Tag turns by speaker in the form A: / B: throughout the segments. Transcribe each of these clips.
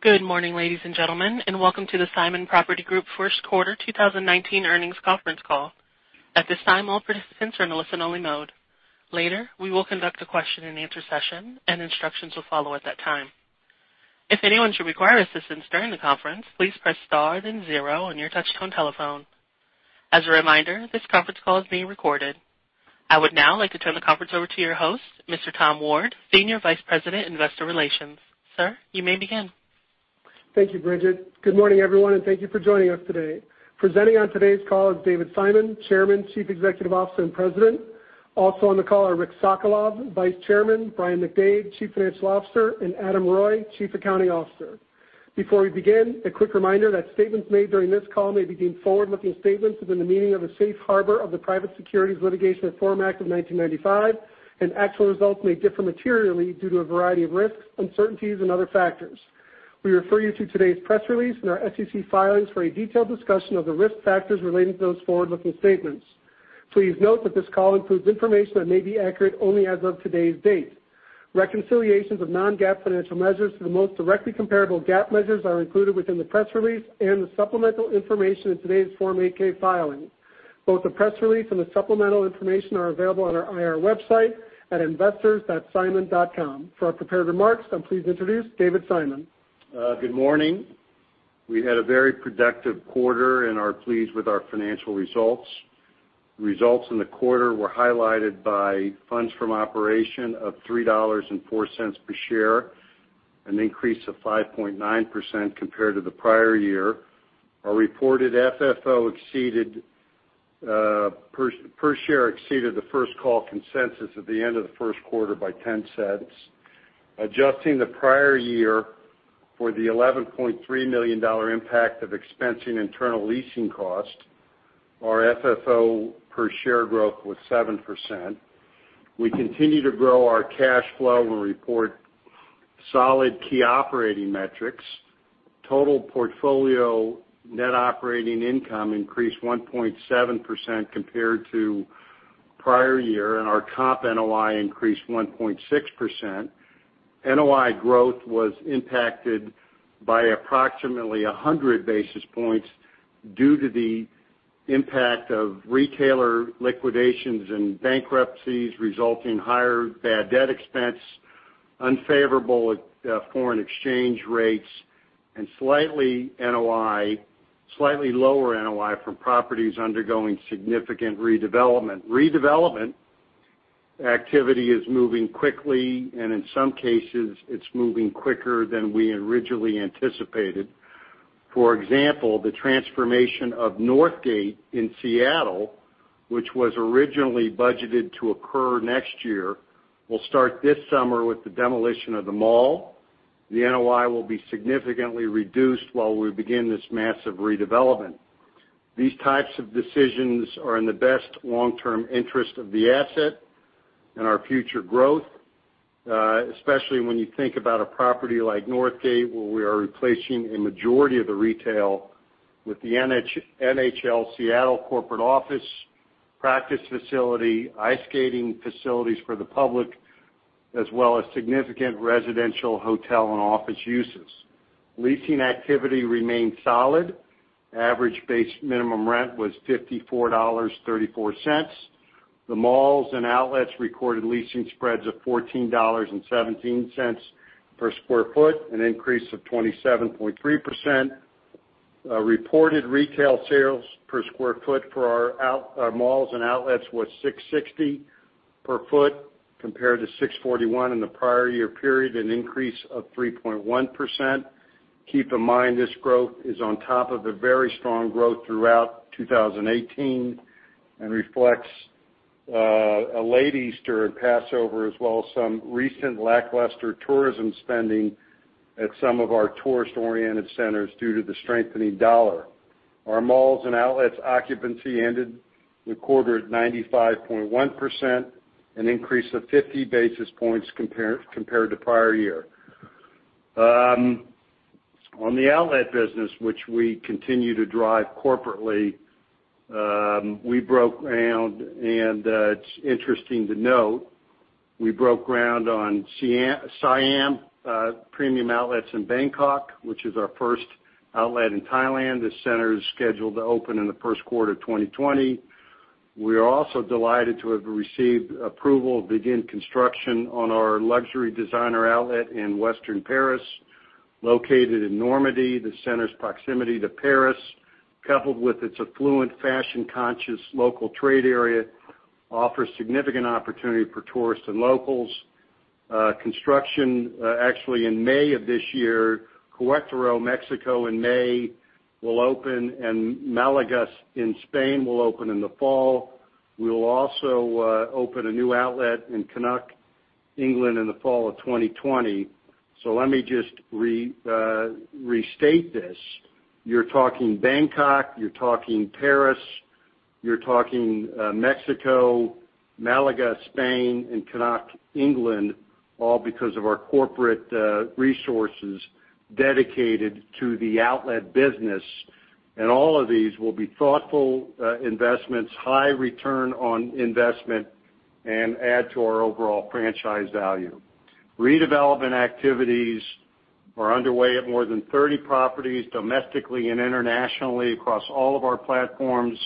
A: Good morning, ladies and gentlemen, and welcome to the Simon Property Group first quarter 2019 earnings conference call. At this time, all participants are in a listen-only mode. Later, we will conduct a question and answer session and instructions will follow at that time. If anyone should require assistance during the conference, please press star then zero on your touch-tone telephone. As a reminder, this conference call is being recorded. I would now like to turn the conference over to your host, Mr. Tom Ward, Senior Vice President, Investor Relations. Sir, you may begin.
B: Thank you, Bridget. Good morning, everyone, and thank you for joining us today. Presenting on today's call is David Simon, Chairman, Chief Executive Officer, and President. Also on the call are Rick Sokolov, Vice Chairman, Brian McDade, Chief Financial Officer, and Adam Reuille, Chief Accounting Officer. Before we begin, a quick reminder that statements made during this call may be deemed forward-looking statements within the meaning of the Safe Harbor of the Private Securities Litigation Reform Act of 1995 and actual results may differ materially due to a variety of risks, uncertainties, and other factors. We refer you to today's press release and our SEC filings for a detailed discussion of the risk factors relating to those forward-looking statements. Please note that this call includes information that may be accurate only as of today's date. Reconciliations of non-GAAP financial measures to the most directly comparable GAAP measures are included within the press release and the supplemental information in today's Form 8-K filing. Both the press release and the supplemental information are available on our IR website at investors.simon.com. For our prepared remarks, I'm pleased to introduce David Simon.
C: Good morning. We had a very productive quarter and are pleased with our financial results. Results in the quarter were highlighted by funds from operation of $3.04 per share, an increase of 5.9% compared to the prior year. Our reported FFO per share exceeded the First Call consensus at the end of the first quarter by $0.10. Adjusting the prior year for the $11.3 million impact of expensing internal leasing costs, our FFO per share growth was 7%. We continue to grow our cash flow and report solid key operating metrics. Total portfolio net operating income increased 1.7% compared to prior year, and our top NOI increased 1.6%. NOI growth was impacted by approximately 100 basis points due to the impact of retailer liquidations and bankruptcies resulting higher bad debt expense, unfavorable foreign exchange rates, and slightly lower NOI from properties undergoing significant redevelopment. Redevelopment activity is moving quickly, and in some cases, it's moving quicker than we originally anticipated. For example, the transformation of Northgate in Seattle, which was originally budgeted to occur next year, will start this summer with the demolition of the mall. The NOI will be significantly reduced while we begin this massive redevelopment. These types of decisions are in the best long-term interest of the asset and our future growth, especially when you think about a property like Northgate, where we are replacing a majority of the retail with the NHL Seattle corporate office practice facility, ice skating facilities for the public, as well as significant residential hotel and office uses. Leasing activity remained solid. Average base minimum rent was $54.34. The malls and outlets recorded leasing spreads of $14.17 per square foot, an increase of 27.3%. Reported retail sales per square foot for our malls and outlets was $6.60 per foot compared to $6.41 in the prior year period, an increase of 3.1%. Keep in mind this growth is on top of a very strong growth throughout 2018 and reflects a late Easter and Passover as well as some recent lackluster tourism spending at some of our tourist-oriented centers due to the strengthening dollar. Our malls and outlets occupancy ended the quarter at 95.1%, an increase of 50 basis points compared to prior year. On the outlet business, which we continue to drive corporately, we broke ground, and it's interesting to note, we broke ground on Siam Premium Outlets in Bangkok, which is our first outlet in Thailand. This center is scheduled to open in the first quarter of 2020. We are also delighted to have received approval to begin construction on our luxury designer outlet in Western Paris, located in Normandy. The center's proximity to Paris, coupled with its affluent, fashion-conscious local trade area, offers significant opportunity for tourists and locals. Construction actually in May of this year, Querétaro, Mexico in May will open, and Málaga in Spain will open in the fall. We will also open a new outlet in Knockhatch, England in the fall of 2020. Let me just restate this. You're talking Bangkok, you're talking Paris, you're talking Mexico, Málaga, Spain, and Knockhatch, England, all because of our corporate resources dedicated to the outlet business. All of these will be thoughtful investments, high return on investment and add to our overall franchise value. Redevelopment activities are underway at more than 30 properties domestically and internationally across all of our platforms,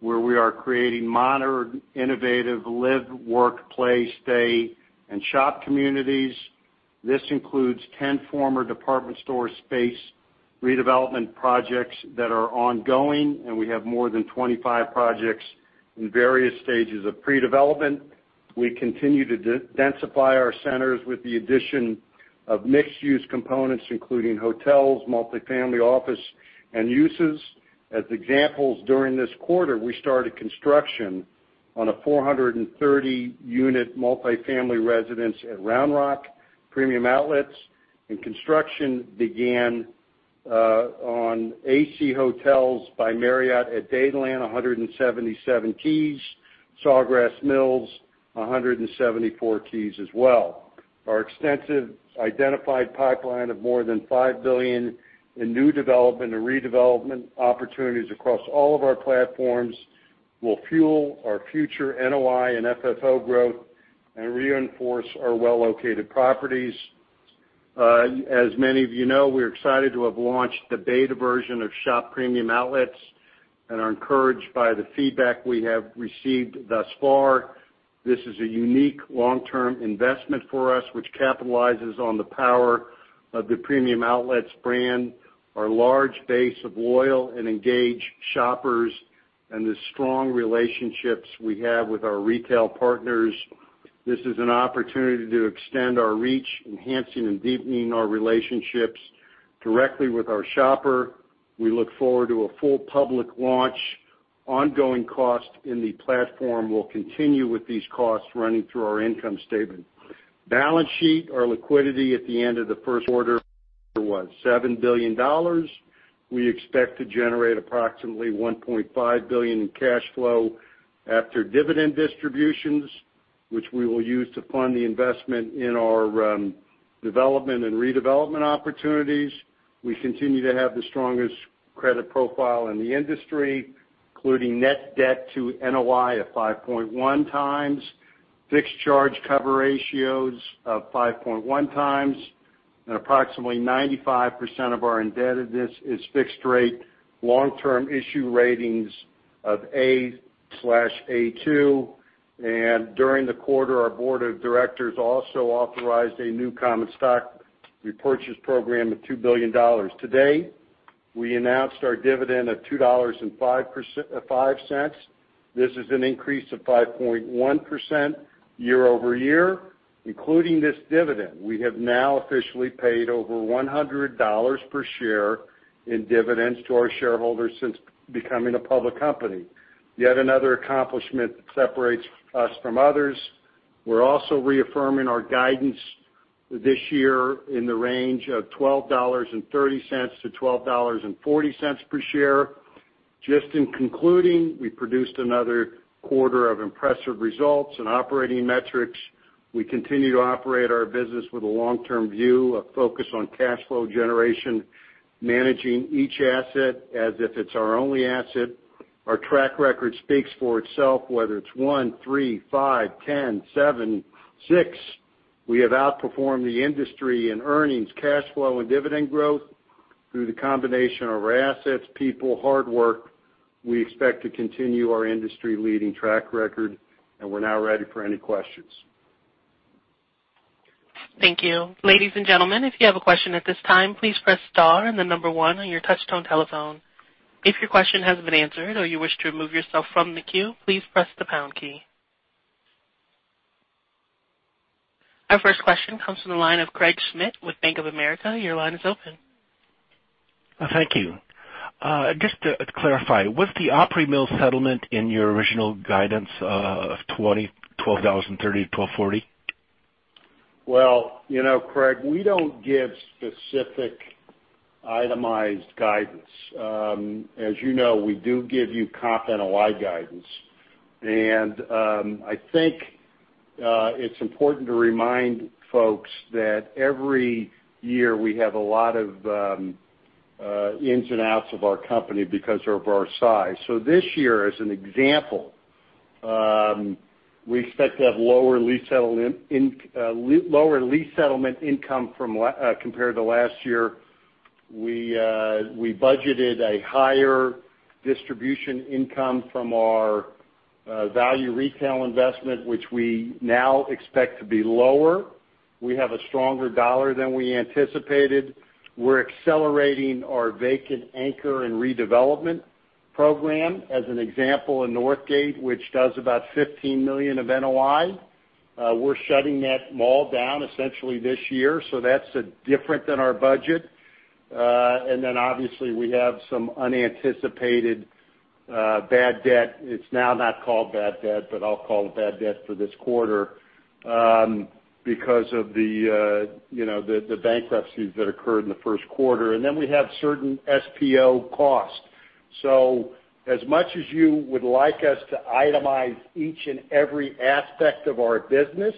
C: where we are creating modern, innovative live, work, play, stay, and shop communities. This includes 10 former department store space redevelopment projects that are ongoing, and we have more than 25 projects in various stages of pre-development. We continue to densify our centers with the addition of mixed-use components, including hotels, multi-family, office, and uses. As examples, during this quarter, we started construction on a 430-unit multi-family residence at Round Rock Premium Outlets, and construction began on AC Hotels by Marriott at Dadeland, 177 keys. Sawgrass Mills, 174 keys as well. Our extensive identified pipeline of more than $5 billion in new development and redevelopment opportunities across all of our platforms will fuel our future NOI and FFO growth and reinforce our well-located properties. As many of you know, we're excited to have launched the beta version of Shop Premium Outlets and are encouraged by the feedback we have received thus far. This is a unique long-term investment for us, which capitalizes on the power of the Premium Outlets brand, our large base of loyal and engaged shoppers, and the strong relationships we have with our retail partners. This is an opportunity to extend our reach, enhancing and deepening our relationships directly with our shopper. We look forward to a full public launch. Ongoing cost in the platform will continue with these costs running through our income statement. Balance sheet. Our liquidity at the end of the first quarter was $7 billion. We expect to generate approximately $1.5 billion in cash flow after dividend distributions, which we will use to fund the investment in our development and redevelopment opportunities. We continue to have the strongest credit profile in the industry, including net debt to NOI of 5.1 times, fixed charge cover ratios of 5.1 times, and approximately 95% of our indebtedness is fixed rate long-term issue ratings of A/A2. During the quarter, our board of directors also authorized a new common stock repurchase program of $2 billion. Today, we announced our dividend of $2.05. This is an increase of 5.1% year-over-year. Including this dividend, we have now officially paid over $100 per share in dividends to our shareholders since becoming a public company. Yet another accomplishment that separates us from others. We're also reaffirming our guidance this year in the range of $12.30-$12.40 per share. Just in concluding, we produced another quarter of impressive results and operating metrics. We continue to operate our business with a long-term view, a focus on cash flow generation, managing each asset as if it's our only asset. Our track record speaks for itself, whether it's one, three, five, ten, seven, six. We have outperformed the industry in earnings, cash flow, and dividend growth through the combination of our assets, people, hard work. We expect to continue our industry-leading track record, we're now ready for any questions.
A: Thank you. Ladies and gentlemen, if you have a question at this time, please press star and the number one on your touch-tone telephone. If your question has been answered or you wish to remove yourself from the queue, please press the pound key. Our first question comes from the line of Craig Schmidt with Bank of America. Your line is open.
D: Thank you. Just to clarify, what's the Opry Mills settlement in your original guidance of $12.30 to $12.40?
C: Well, Craig, we don't give specific itemized guidance. As you know, we do give you comp NOI guidance. I think it's important to remind folks that every year, we have a lot of ins and outs of our company because of our size. This year, as an example, we expect to have lower lease settlement income compared to last year. We budgeted a higher distribution income from our Value Retail investment, which we now expect to be lower. We have a stronger dollar than we anticipated. We're accelerating our vacant anchor and redevelopment program. As an example, in Northgate, which does about $15 million of NOI, we're shutting that mall down essentially this year, that's different than our budget. Then obviously, we have some unanticipated bad debt. It's now not called bad debt, but I'll call it bad debt for this quarter because of the bankruptcies that occurred in the first quarter. Then we have certain SPO costs. As much as you would like us to itemize each and every aspect of our business.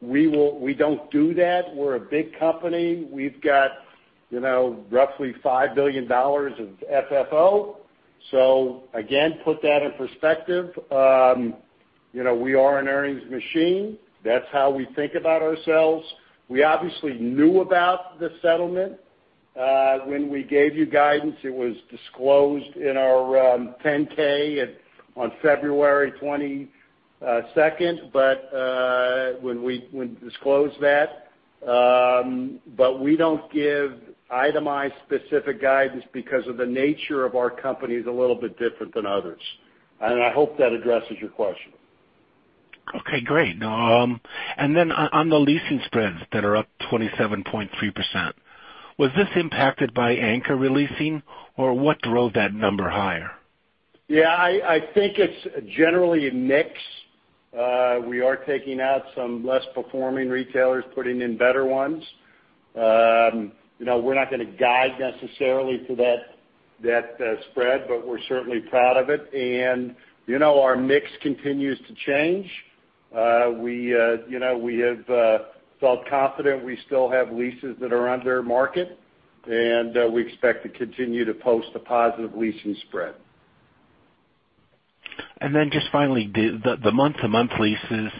C: We don't do that. We're a big company. We've got roughly $5 billion of FFO. Again, put that in perspective. We are an earnings machine. That's how we think about ourselves. We obviously knew about the settlement. When we gave you guidance, it was disclosed in our 10-K on February 22nd, when we disclosed that. We don't give itemized specific guidance because of the nature of our company is a little bit different than others. I hope that addresses your question.
D: Okay, great. Then on the leasing spreads that are up 27.3%, was this impacted by anchor re-leasing, or what drove that number higher?
C: Yeah, I think it's generally a mix. We are taking out some less performing retailers, putting in better ones. We're not going to guide necessarily to that spread, but we're certainly proud of it. Our mix continues to change. We have felt confident we still have leases that are under market, and we expect to continue to post a positive leasing spread.
D: Just finally, the month-to-month leases increased.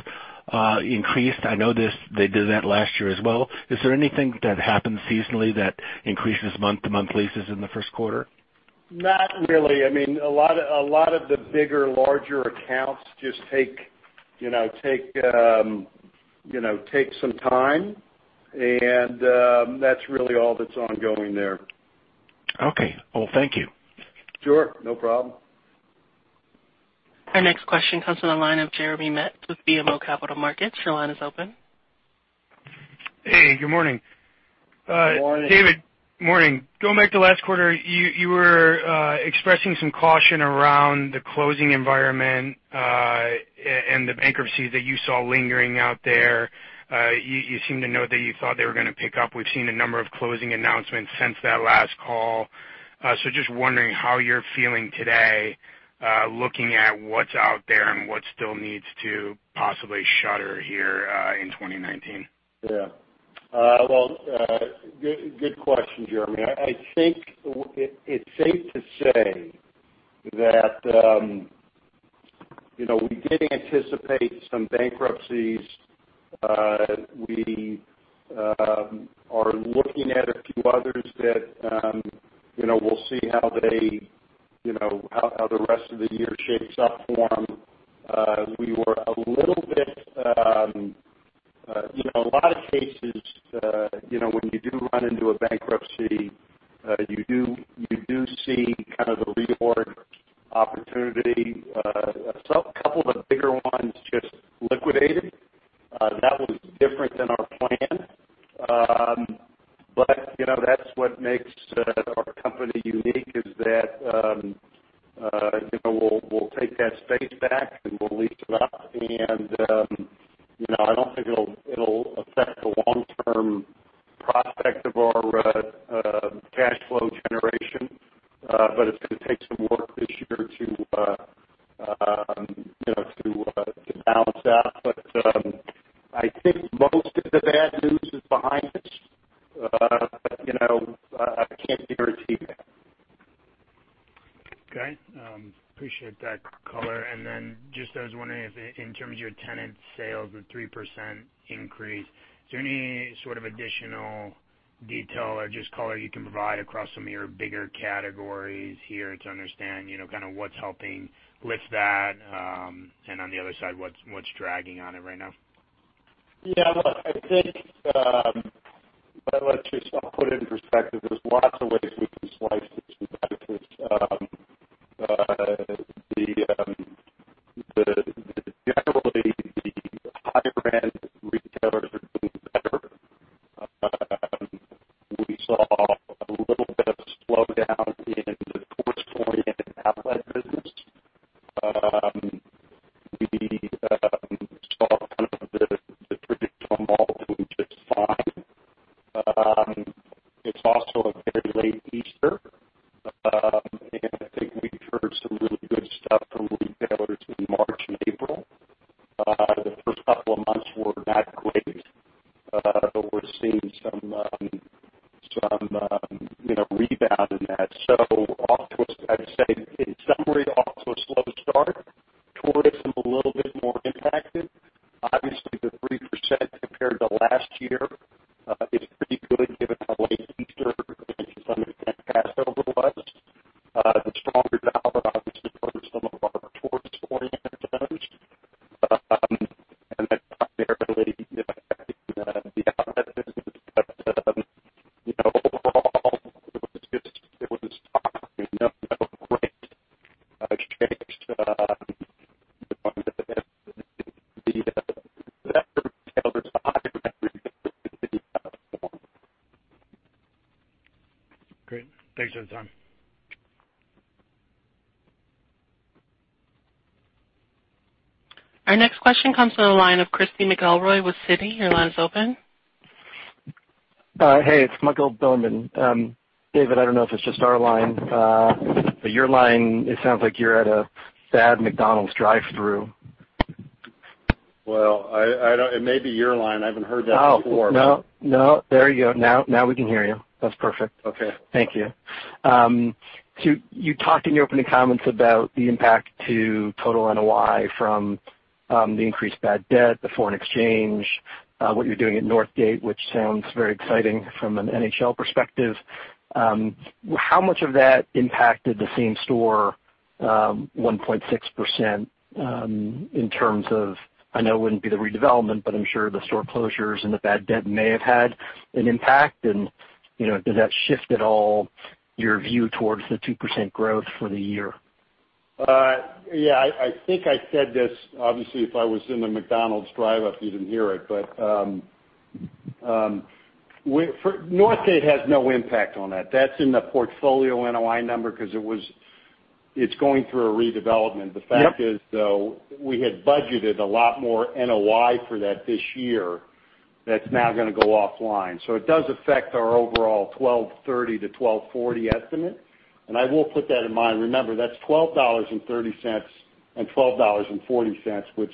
D: I noticed they did that last year as well. Is there anything that happens seasonally that increases month-to-month leases in the first quarter?
C: Not really. A lot of the bigger, larger accounts just take some time, and that's really all that's ongoing there.
D: Okay. Well, thank you.
C: Sure. No problem.
A: Our next question comes from the line of Jeremy Metz with BMO Capital Markets. Your line is open.
E: Hey, good morning.
C: Good morning.
E: David, morning. Going back to last quarter, you were expressing some caution around the closing environment, and the bankruptcies that you saw lingering out there. You seem to know that you thought they were going to pick up. We've seen a number of closing announcements since that last call. Just wondering how you're feeling today, looking at what's out there and what still needs to possibly shutter here in 2019.
C: Yeah. Well, good question, Jeremy. I think it's safe to say that we did anticipate some bankruptcies. We are looking at a few others that we'll see how the rest of the year shapes up for them. A lot of cases, when you do run into a bankruptcy, you do see kind of the reorg opportunity. A couple of the bigger ones just liquidated. That was different than our plan. That's what makes our company unique, is that we'll take that space back and we'll lease it out, and I don't think it'll affect the long-term prospect of our cash flow generation. It's going to take some work this year to balance out. I think most of the bad news is behind us. I can't guarantee that.
E: Okay. Appreciate that color. Then just I was wondering if, in terms of your tenant sales, the 3% increase, is there any sort of additional detail or just color you can provide across some of your bigger categories here to understand kind of what's helping lift that? On the other side, what's dragging on it right now?
C: Yeah, look, I think, I'll put it in perspective. There's lots of ways we can slice this.
F: the increased bad debt, the foreign exchange, what you're doing at Northgate, which sounds very exciting from an NHL perspective. How much of that impacted the same store, 1.6%, in terms of, I know it wouldn't be the redevelopment, but I'm sure the store closures and the bad debt may have had an impact, and does that shift at all your view towards the 2% growth for the year?
C: Yeah, I think I said this. Obviously, if I was in the McDonald's drive up, you didn't hear it. Northgate has no impact on that. That's in the portfolio NOI number because it's going through a redevelopment.
F: Yep.
C: The fact is, though, we had budgeted a lot more NOI for that this year that's now going to go offline. It does affect our overall $12.30 to $12.40 estimate. I will put that in mind. Remember, that's $12.30 and $12.40, which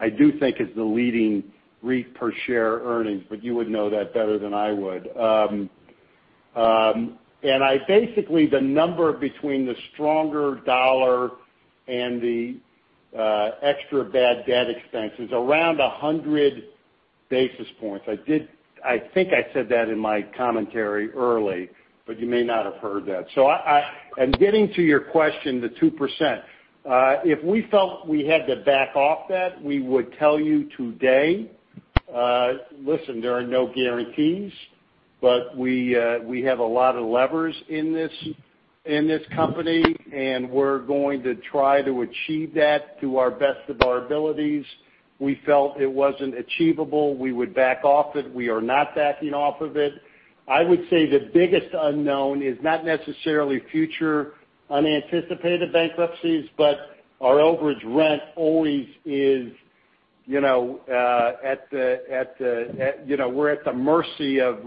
C: I do think is the leading REIT per share earnings, but you would know that better than I would. Basically, the number between the stronger dollar and the extra bad debt expense is around 100 basis points. I think I said that in my commentary early, but you may not have heard that. I'm getting to your question, the 2%. If we felt we had to back off that, we would tell you today. Listen, there are no guarantees, but we have a lot of levers in this company, and we're going to try to achieve that to our best of our abilities. If we felt it wasn't achievable, we would back off it. We are not backing off of it. I would say the biggest unknown is not necessarily future unanticipated bankruptcies, but our overage rent always is at the mercy of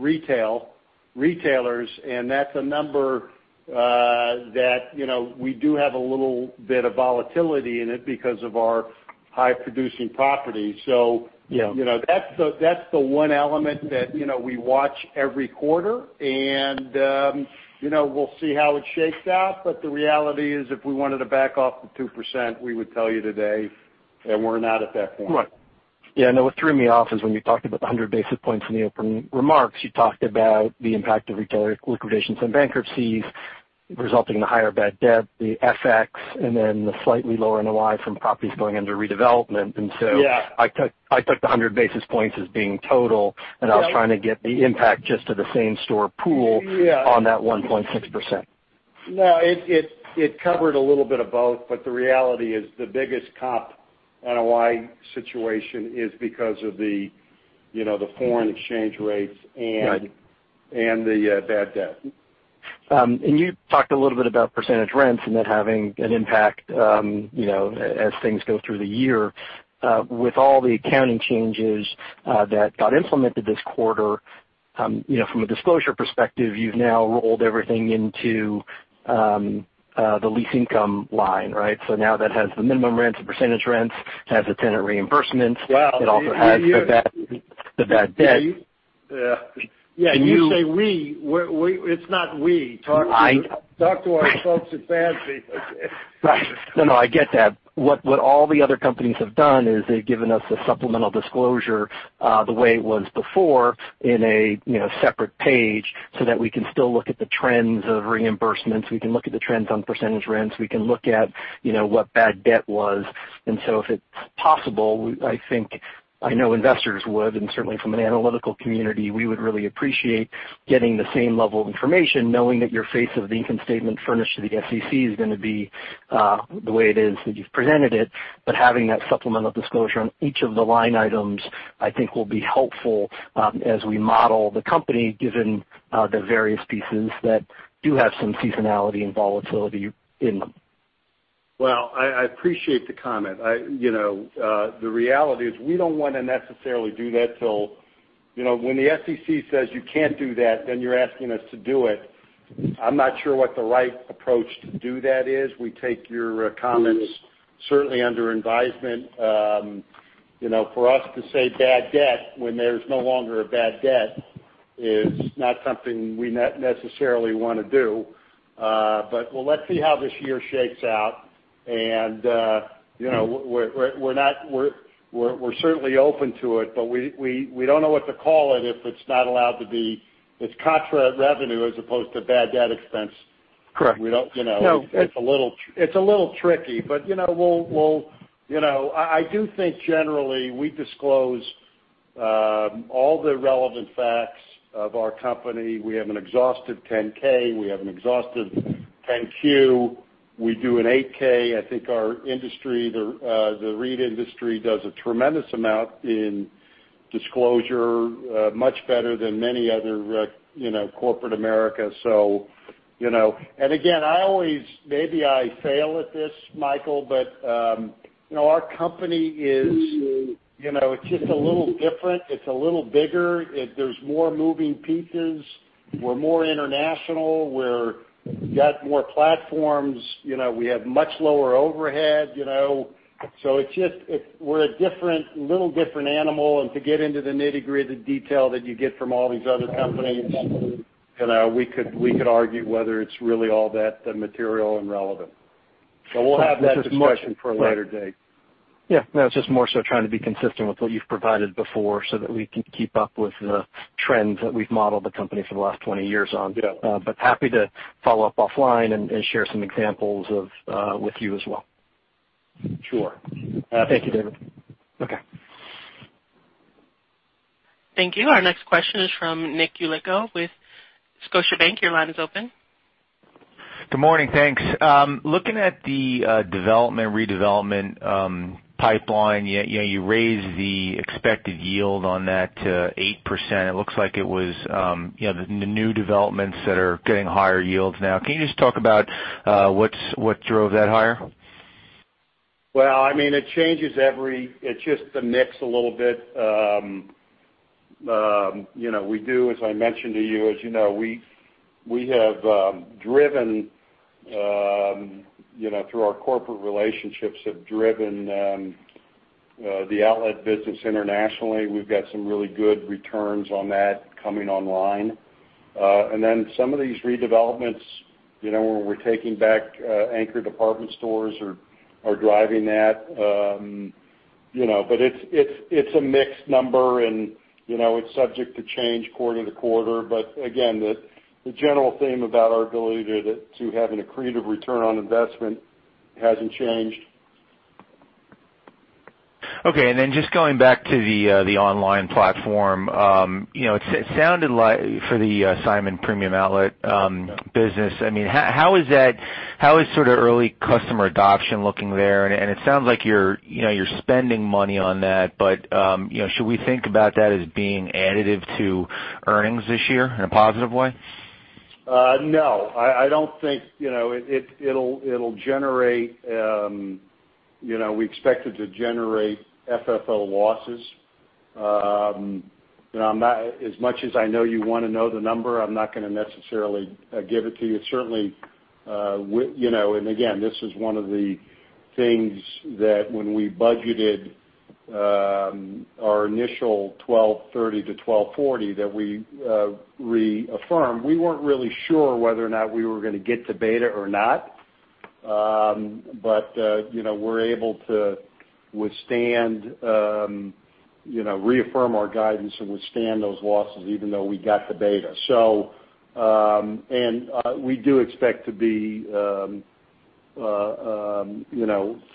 C: retailers, and that's a number that we do have a little bit of volatility in it because of our high-producing property.
F: Yeah.
C: That's the one element that we watch every quarter, and we'll see how it shakes out. The reality is if we wanted to back off the 2%, we would tell you today, and we're not at that point.
F: Right. Yeah, no, what threw me off is when you talked about the 100 basis points in the opening remarks. You talked about the impact of retailer liquidations and bankruptcies resulting in the higher bad debt, the FX, and then the slightly lower NOI from properties going under redevelopment.
C: Yeah.
F: I took the 100 basis points as being total.
C: Yep.
F: I was trying to get the impact just to the same store pool.
C: Yeah
F: On that 1.6%.
C: No, it covered a little bit of both. The reality is the biggest comp NOI situation is because of the foreign exchange rates.
F: Right
C: the bad debt.
F: You talked a little bit about percentage rents and that having an impact as things go through the year. With all the accounting changes that got implemented this quarter, from a disclosure perspective, you've now rolled everything into the lease income line, right? Now that has the minimum rents, the percentage rents. It has the tenant reimbursements.
C: Well-
F: It also has the bad debt.
C: Yeah.
F: And you-
C: Yeah, you say we. It's not we.
F: I-
C: Talk to our folks at FASB.
F: Right. No, I get that. What all the other companies have done is they've given us a supplemental disclosure, the way it was before in a separate page, so that we can still look at the trends of reimbursements, we can look at the trends on percentage rents, we can look at what bad debt was. If it's possible, I know investors would, and certainly from an analytical community, we would really appreciate getting the same level of information, knowing that your face of the income statement furnished to the SEC is going to be the way it is that you've presented it. Having that supplemental disclosure on each of the line items, I think will be helpful as we model the company, given the various pieces that do have some seasonality and volatility in them.
C: Well, I appreciate the comment. The reality is we don't want to necessarily do that till When the SEC says you can't do that, then you're asking us to do it. I'm not sure what the right approach to do that is. We take your comments certainly under advisement. For us to say bad debt when there's no longer a bad debt is not something we necessarily want to do. Well, let's see how this year shakes out, and we're certainly open to it, but we don't know what to call it if it's not allowed to be. It's contract revenue as opposed to bad debt expense.
F: Correct.
C: It's a little tricky. I do think generally we disclose all the relevant facts of our company. We have an exhaustive 10-K, we have an exhaustive 10-Q. We do an 8-K. I think the REIT industry does a tremendous amount in disclosure, much better than many other corporate America. Again, maybe I fail at this, Michael, but our company is just a little different. It's a little bigger. There's more moving pieces. We're more international. We got more platforms. We have much lower overhead. We're a little different animal. To get into the nitty-gritty detail that you get from all these other companies, we could argue whether it's really all that material and relevant. We'll have that discussion for a later date.
F: It's just more so trying to be consistent with what you've provided before so that we can keep up with the trends that we've modeled the company for the last 20 years on.
C: Yeah.
F: Happy to follow up offline and share some examples with you as well.
C: Sure.
F: Thank you, David.
C: Okay.
A: Thank you. Our next question is from Nick Yulico with Scotiabank. Your line is open.
G: Good morning. Thanks. Looking at the development, redevelopment pipeline, you raised the expected yield on that to 8%. It looks like it was the new developments that are getting higher yields now. Can you just talk about what drove that higher?
C: Well, it changes. It's just the mix a little bit. We do, as I mentioned to you, as you know, we have, through our corporate relationships, have driven the outlet business internationally. We've got some really good returns on that coming online. Some of these redevelopments where we're taking back anchor department stores are driving that. It's a mixed number and it's subject to change quarter to quarter. Again, the general theme about our ability to having an accretive return on investment hasn't changed.
G: Okay. Just going back to the online platform, for the Simon Premium Outlets business, how is sort of early customer adoption looking there? It sounds like you're spending money on that. Should we think about that as being additive to earnings this year in a positive way?
C: No. We expect it to generate FFO losses. As much as I know you want to know the number, I'm not going to necessarily give it to you. Again, this is one of the things that when we budgeted our initial $1,230-$1,240 that we reaffirmed, we weren't really sure whether or not we were going to get to beta or not. We're able to reaffirm our guidance and withstand those losses even though we got the beta. We do expect to be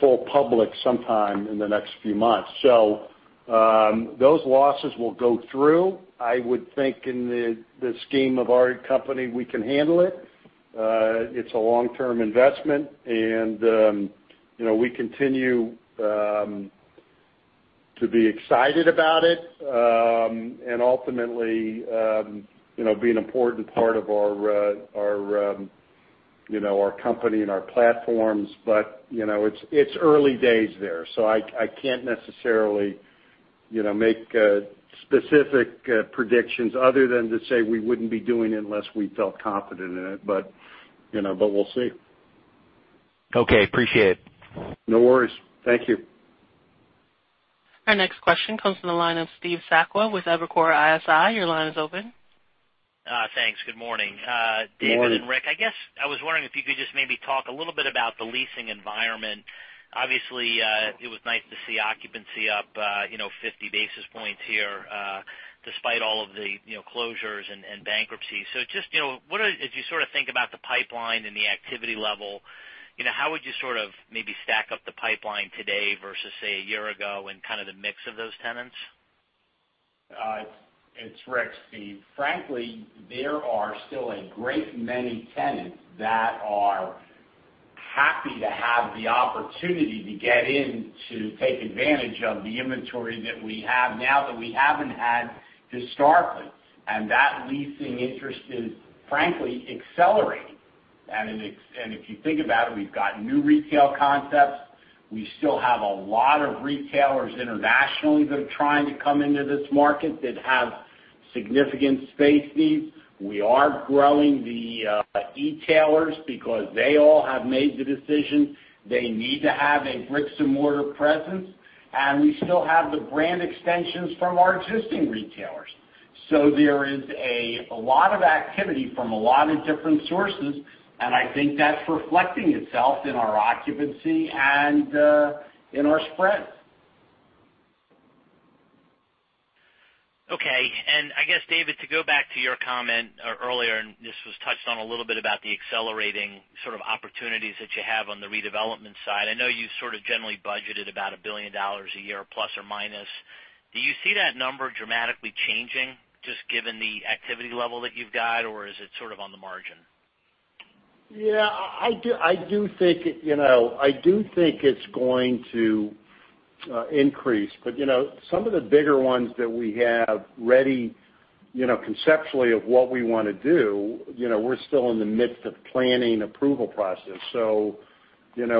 C: full public sometime in the next few months. Those losses will go through. I would think in the scheme of our company, we can handle it. It's a long-term investment, and we continue to be excited about it, and ultimately, be an important part of our company and our platforms. It's early days there, I can't necessarily make specific predictions other than to say we wouldn't be doing it unless we felt confident in it. We'll see.
G: Okay. Appreciate it.
C: No worries. Thank you.
A: Our next question comes from the line of Steve Sakwa with Evercore ISI. Your line is open.
H: Thanks. Good morning-
C: Morning
H: David and Rick. I guess, I was wondering if you could just maybe talk a little bit about the leasing environment. Obviously, it was nice to see occupancy up 50 basis points here despite all of the closures and bankruptcies. Just, as you sort of think about the pipeline and the activity level, how would you sort of maybe stack up the pipeline today versus, say, a year ago and kind of the mix of those tenants?
I: It's Rick, Steve. Frankly, there are still a great many tenants that are happy to have the opportunity to get in to take advantage of the inventory that we have now that we haven't had historically, and that leasing interest is frankly accelerating. If you think about it, we've got new retail concepts. We still have a lot of retailers internationally that are trying to come into this market that have significant space needs. We are growing the e-tailers because they all have made the decision they need to have a bricks-and-mortar presence. We still have the brand extensions from our existing retailers. There is a lot of activity from a lot of different sources, and I think that's reflecting itself in our occupancy and in our spreads.
H: Okay. I guess, David, to go back to your comment earlier, this was touched on a little bit about the accelerating sort of opportunities that you have on the redevelopment side. I know you sort of generally budgeted about $1 billion a year plus or minus. Do you see that number dramatically changing just given the activity level that you've got, or is it sort of on the margin?
C: Yeah. I do think it's going to increase. Some of the bigger ones that we have ready conceptually of what we want to do, we're still in the midst of planning approval process.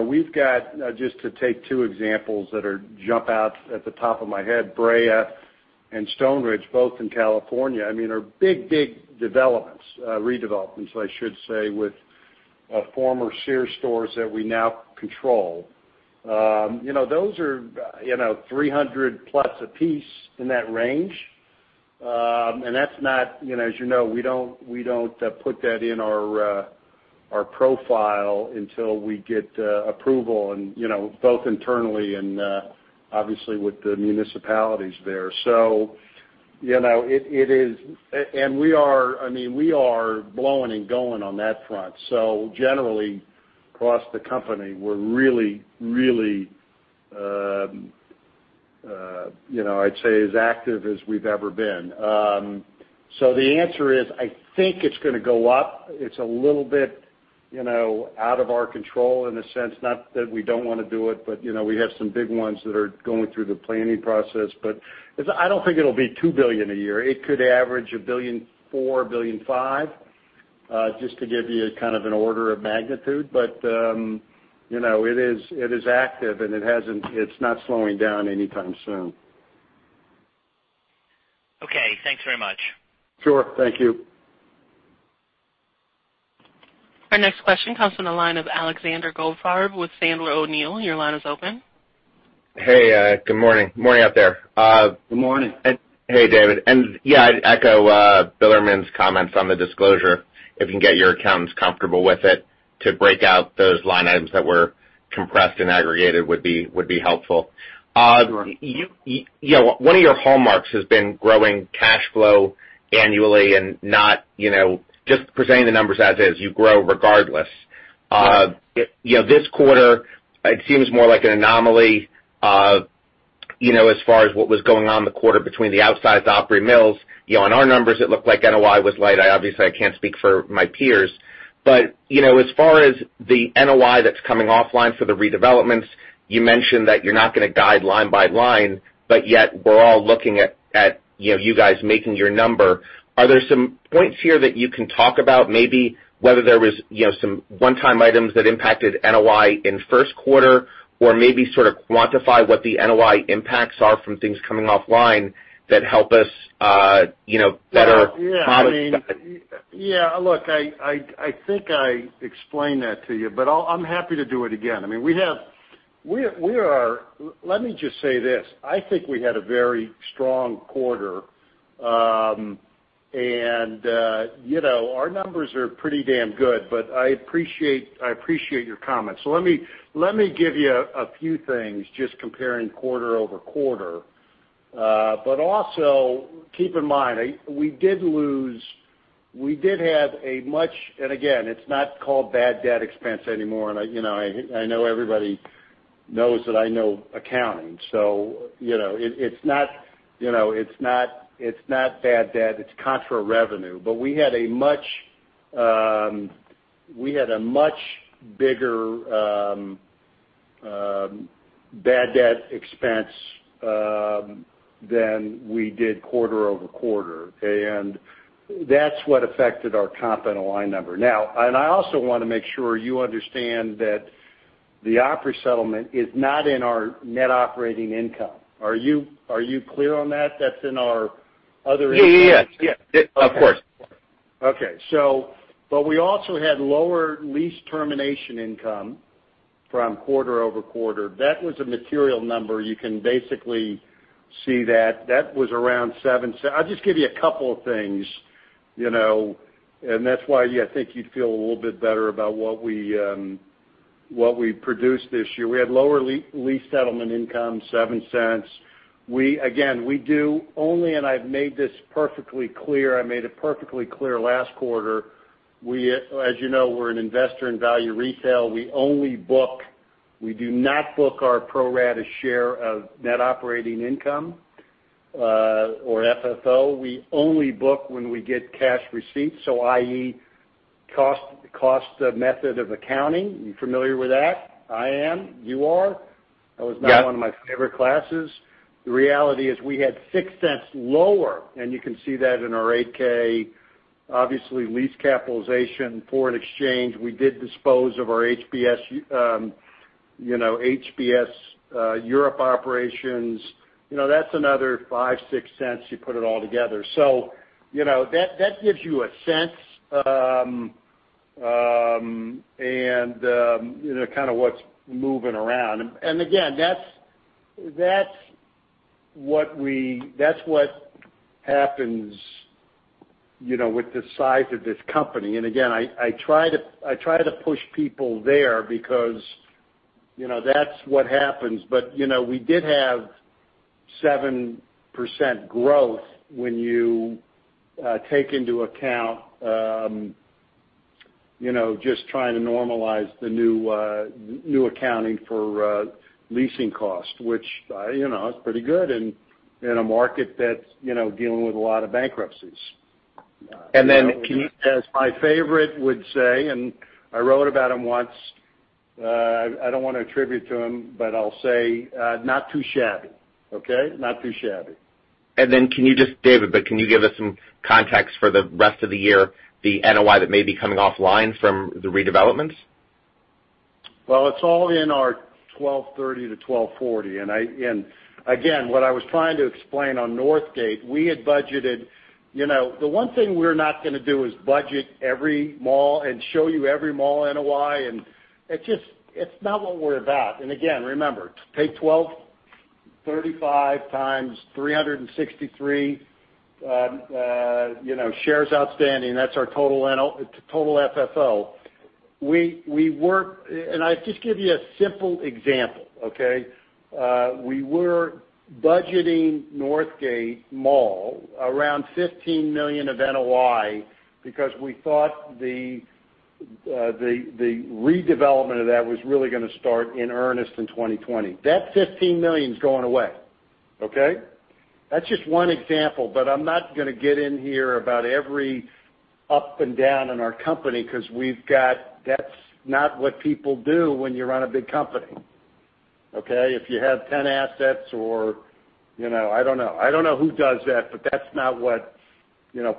C: We've got, just to take two examples that jump out at the top of my head, Brea and Stoneridge, both in California. I mean, are big redevelopments, I should say, with former Sears stores that we now control. Those are 300+ a piece in that range. As you know, we don't put that in our profile until we get approval, both internally and obviously with the municipalities there. I mean, we are blowing and going on that front. Generally, across the company, we're really, I'd say, as active as we've ever been. The answer is, I think it's going to go up. It's a little bit out of our control in a sense. Not that we don't want to do it, we have some big ones that are going through the planning process. I don't think it'll be $2 billion a year. It could average $1.4 billion, $1.5 billion, just to give you kind of an order of magnitude. It is active, and it's not slowing down anytime soon.
H: Okay, thanks very much.
C: Sure. Thank you.
A: Our next question comes from the line of Alexander Goldfarb with Sandler O'Neill. Your line is open.
J: Hey, good morning. Good morning out there.
C: Good morning.
J: Hey, David. Yeah, I'd echo Bilerman's comments on the disclosure. If you can get your accountants comfortable with it to break out those line items that were compressed and aggregated would be helpful.
C: Sure.
J: One of your hallmarks has been growing cash flow annually and not just presenting the numbers as is. You grow regardless.
C: Right.
J: This quarter, it seems more like an anomaly as far as what was going on in the quarter between the outsize Opry Mills. On our numbers, it looked like NOI was light. Obviously, I can't speak for my peers. As far as the NOI that's coming offline for the redevelopments, you mentioned that you're not going to guide line by line, but yet we're all looking at you guys making your number. Are there some points here that you can talk about, maybe whether there was some one-time items that impacted NOI in the first quarter? Maybe sort of quantify what the NOI impacts are from things coming offline that help us better-
C: Yeah. Look, I think I explained that to you, but I'm happy to do it again. Let me just say this. I think we had a very strong quarter. Our numbers are pretty damn good, but I appreciate your comments. Let me give you a few things just comparing quarter-over-quarter. Also keep in mind, again, it's not called bad debt expense anymore, I know everybody knows that I know accounting. It's not bad debt, it's contra revenue. We had a much bigger bad debt expense than we did quarter-over-quarter, okay? That's what affected our comp NOI number. I also want to make sure you understand that the Opry settlement is not in our net operating income. Are you clear on that? That's in our other income.
J: Yes. Of course.
C: Okay. We also had lower lease termination income from quarter-over-quarter. That was a material number. You can basically see that. I'll just give you a couple of things, and that's why I think you'd feel a little bit better about what we produced this year. We had lower lease settlement income, $0.07. Again, and I've made this perfectly clear, I made it perfectly clear last quarter, as you know, we're an investor in Value Retail. We do not book our pro rata share of Net Operating Income or FFO. We only book when we get cash receipts, so i.e., cost method of accounting. You familiar with that? I am. You are.
J: Yes.
C: That was not one of my favorite classes. The reality is we had $0.06 lower, and you can see that in our 8-K. Obviously, lease capitalization for an exchange. We did dispose of our HBS Europe operations. That's another $0.05, $0.06, you put it all together. That gives you a sense and kind of what's moving around. Again, that's what happens with the size of this company. Again, I try to push people there because that's what happens. We did have 7% growth when you take into account just trying to normalize the new accounting for leasing costs, which is pretty good in a market that's dealing with a lot of bankruptcies.
J: Can you As my favorite would say, I wrote about him once, I don't want to attribute to him, but I'll say, "Not too shabby." Okay? Not too shabby. Can you just, David, but can you give us some context for the rest of the year, the NOI that may be coming offline from the redevelopments?
C: Well, it's all in our $1,230-$1,240. Again, what I was trying to explain on Northgate, we had budgeted. The one thing we're not going to do is budget every mall and show you every mall NOI, it's not what we're about. Again, remember, take $1,235 times 363 shares outstanding. That's our total FFO. I just give you a simple example, okay? We were budgeting Northgate Mall around $15 million of NOI because we thought the redevelopment of that was really going to start in earnest in 2020. That $15 million's going away. Okay? That's just one example, but I'm not going to get in here about every up and down in our company because that's not what people do when you run a big company. Okay? If you have 10 assets or, I don't know. I don't know who does that, but that's not what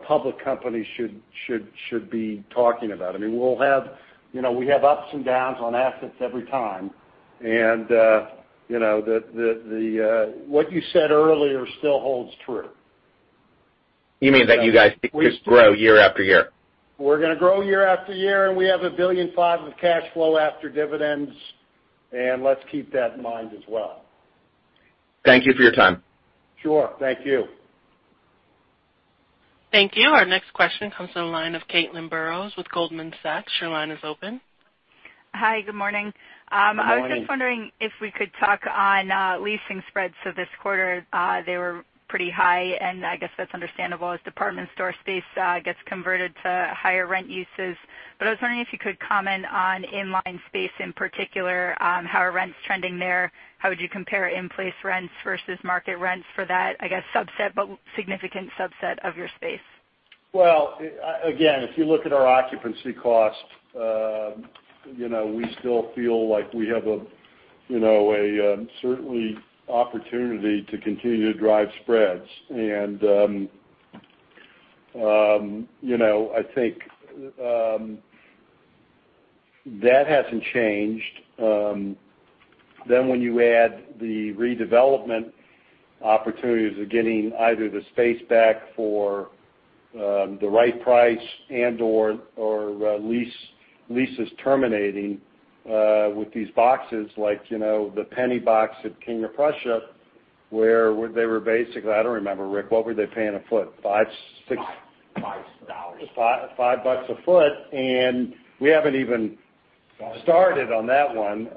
C: public companies should be talking about. We have ups and downs on assets every time, and what you said earlier still holds true.
J: You mean that you guys think you'll just grow year after year?
C: We're gonna grow year after year, we have $1.5 billion of cash flow after dividends, let's keep that in mind as well.
I: Thank you for your time.
C: Sure. Thank you.
A: Thank you. Our next question comes from the line of Caitlin Burrows with Goldman Sachs. Your line is open.
K: Hi, good morning.
C: Good morning.
K: I was just wondering if we could talk on leasing spreads for this quarter. They were pretty high, and I guess that's understandable as department store space gets converted to higher rent uses. I was wondering if you could comment on inline space, in particular, how are rents trending there? How would you compare in-place rents versus market rents for that, I guess, subset, but significant subset of your space?
C: Well, again, if you look at our occupancy cost, we still feel like we have, certainly, opportunity to continue to drive spreads. I think that hasn't changed. When you add the redevelopment opportunities of getting either the space back for the right price and/or leases terminating with these boxes, like the JCPenney box at King of Prussia, where they were basically I don't remember, Rick, what were they paying a foot? Five, six-
I: Five dollars.
C: Five bucks a foot, we haven't even started on that one.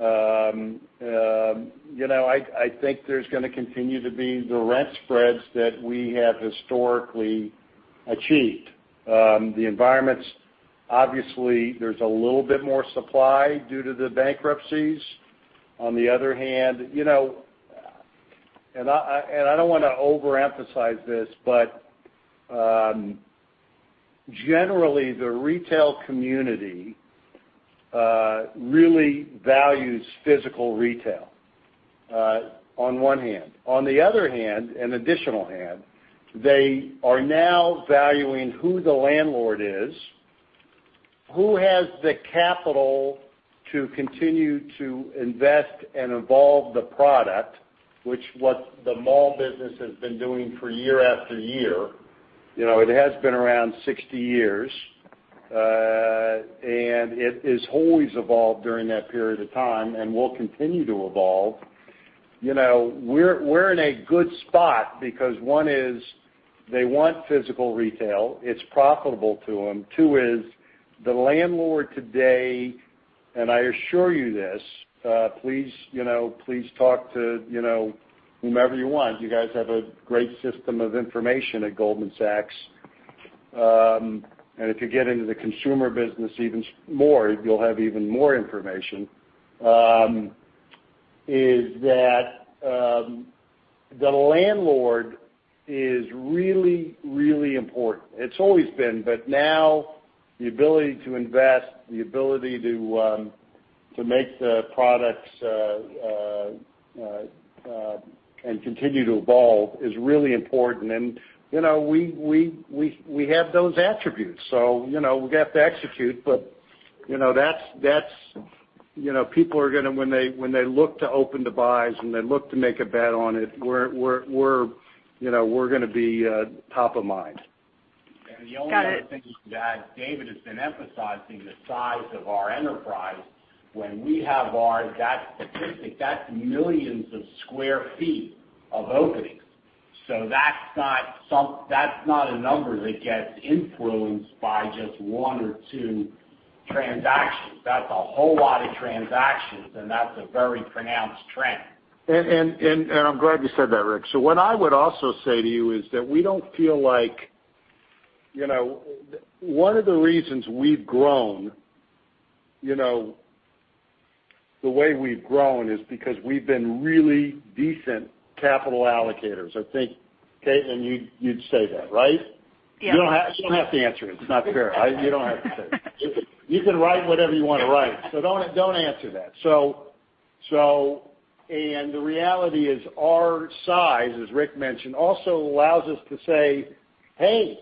C: I think there's gonna continue to be the rent spreads that we have historically achieved. The environment's obviously, there's a little bit more supply due to the bankruptcies. On the other hand, I don't wanna overemphasize this, but generally the retail community really values physical retail, on one hand. On the other hand, an additional hand, they are now valuing who the landlord is, who has the capital to continue to invest and evolve the product, which what the mall business has been doing for year after year. It has been around 60 years, and it has always evolved during that period of time and will continue to evolve. We're in a good spot because one is, they want physical retail. It's profitable to them. Two is, the landlord today, I assure you this, please talk to whomever you want. You guys have a great system of information at Goldman Sachs. If you get into the consumer business even more, you'll have even more information. Is that the landlord is really, really important. It's always been, now the ability to invest, the ability to make the products and continue to evolve is really important. We have those attributes. We have to execute, but people are gonna, when they look to open the buys, when they look to make a bet on it, we're gonna be top of mind.
I: Got it. The only other thing that David has been emphasizing, the size of our enterprise. When we have that statistic, that's millions of square feet of openings. That's not a number that gets influenced by just one or two transactions. That's a whole lot of transactions, and that's a very pronounced trend.
C: I'm glad you said that, Rick. What I would also say to you is that we don't feel like One of the reasons we've grown, you know, the way we've grown is because we've been really decent capital allocators. I think, Caitlin, you'd say that, right?
K: Yeah.
C: You don't have to answer it. It's not fair. You don't have to say. You can write whatever you want to write, so don't answer that. The reality is, our size, as Rick mentioned, also allows us to say, "Hey,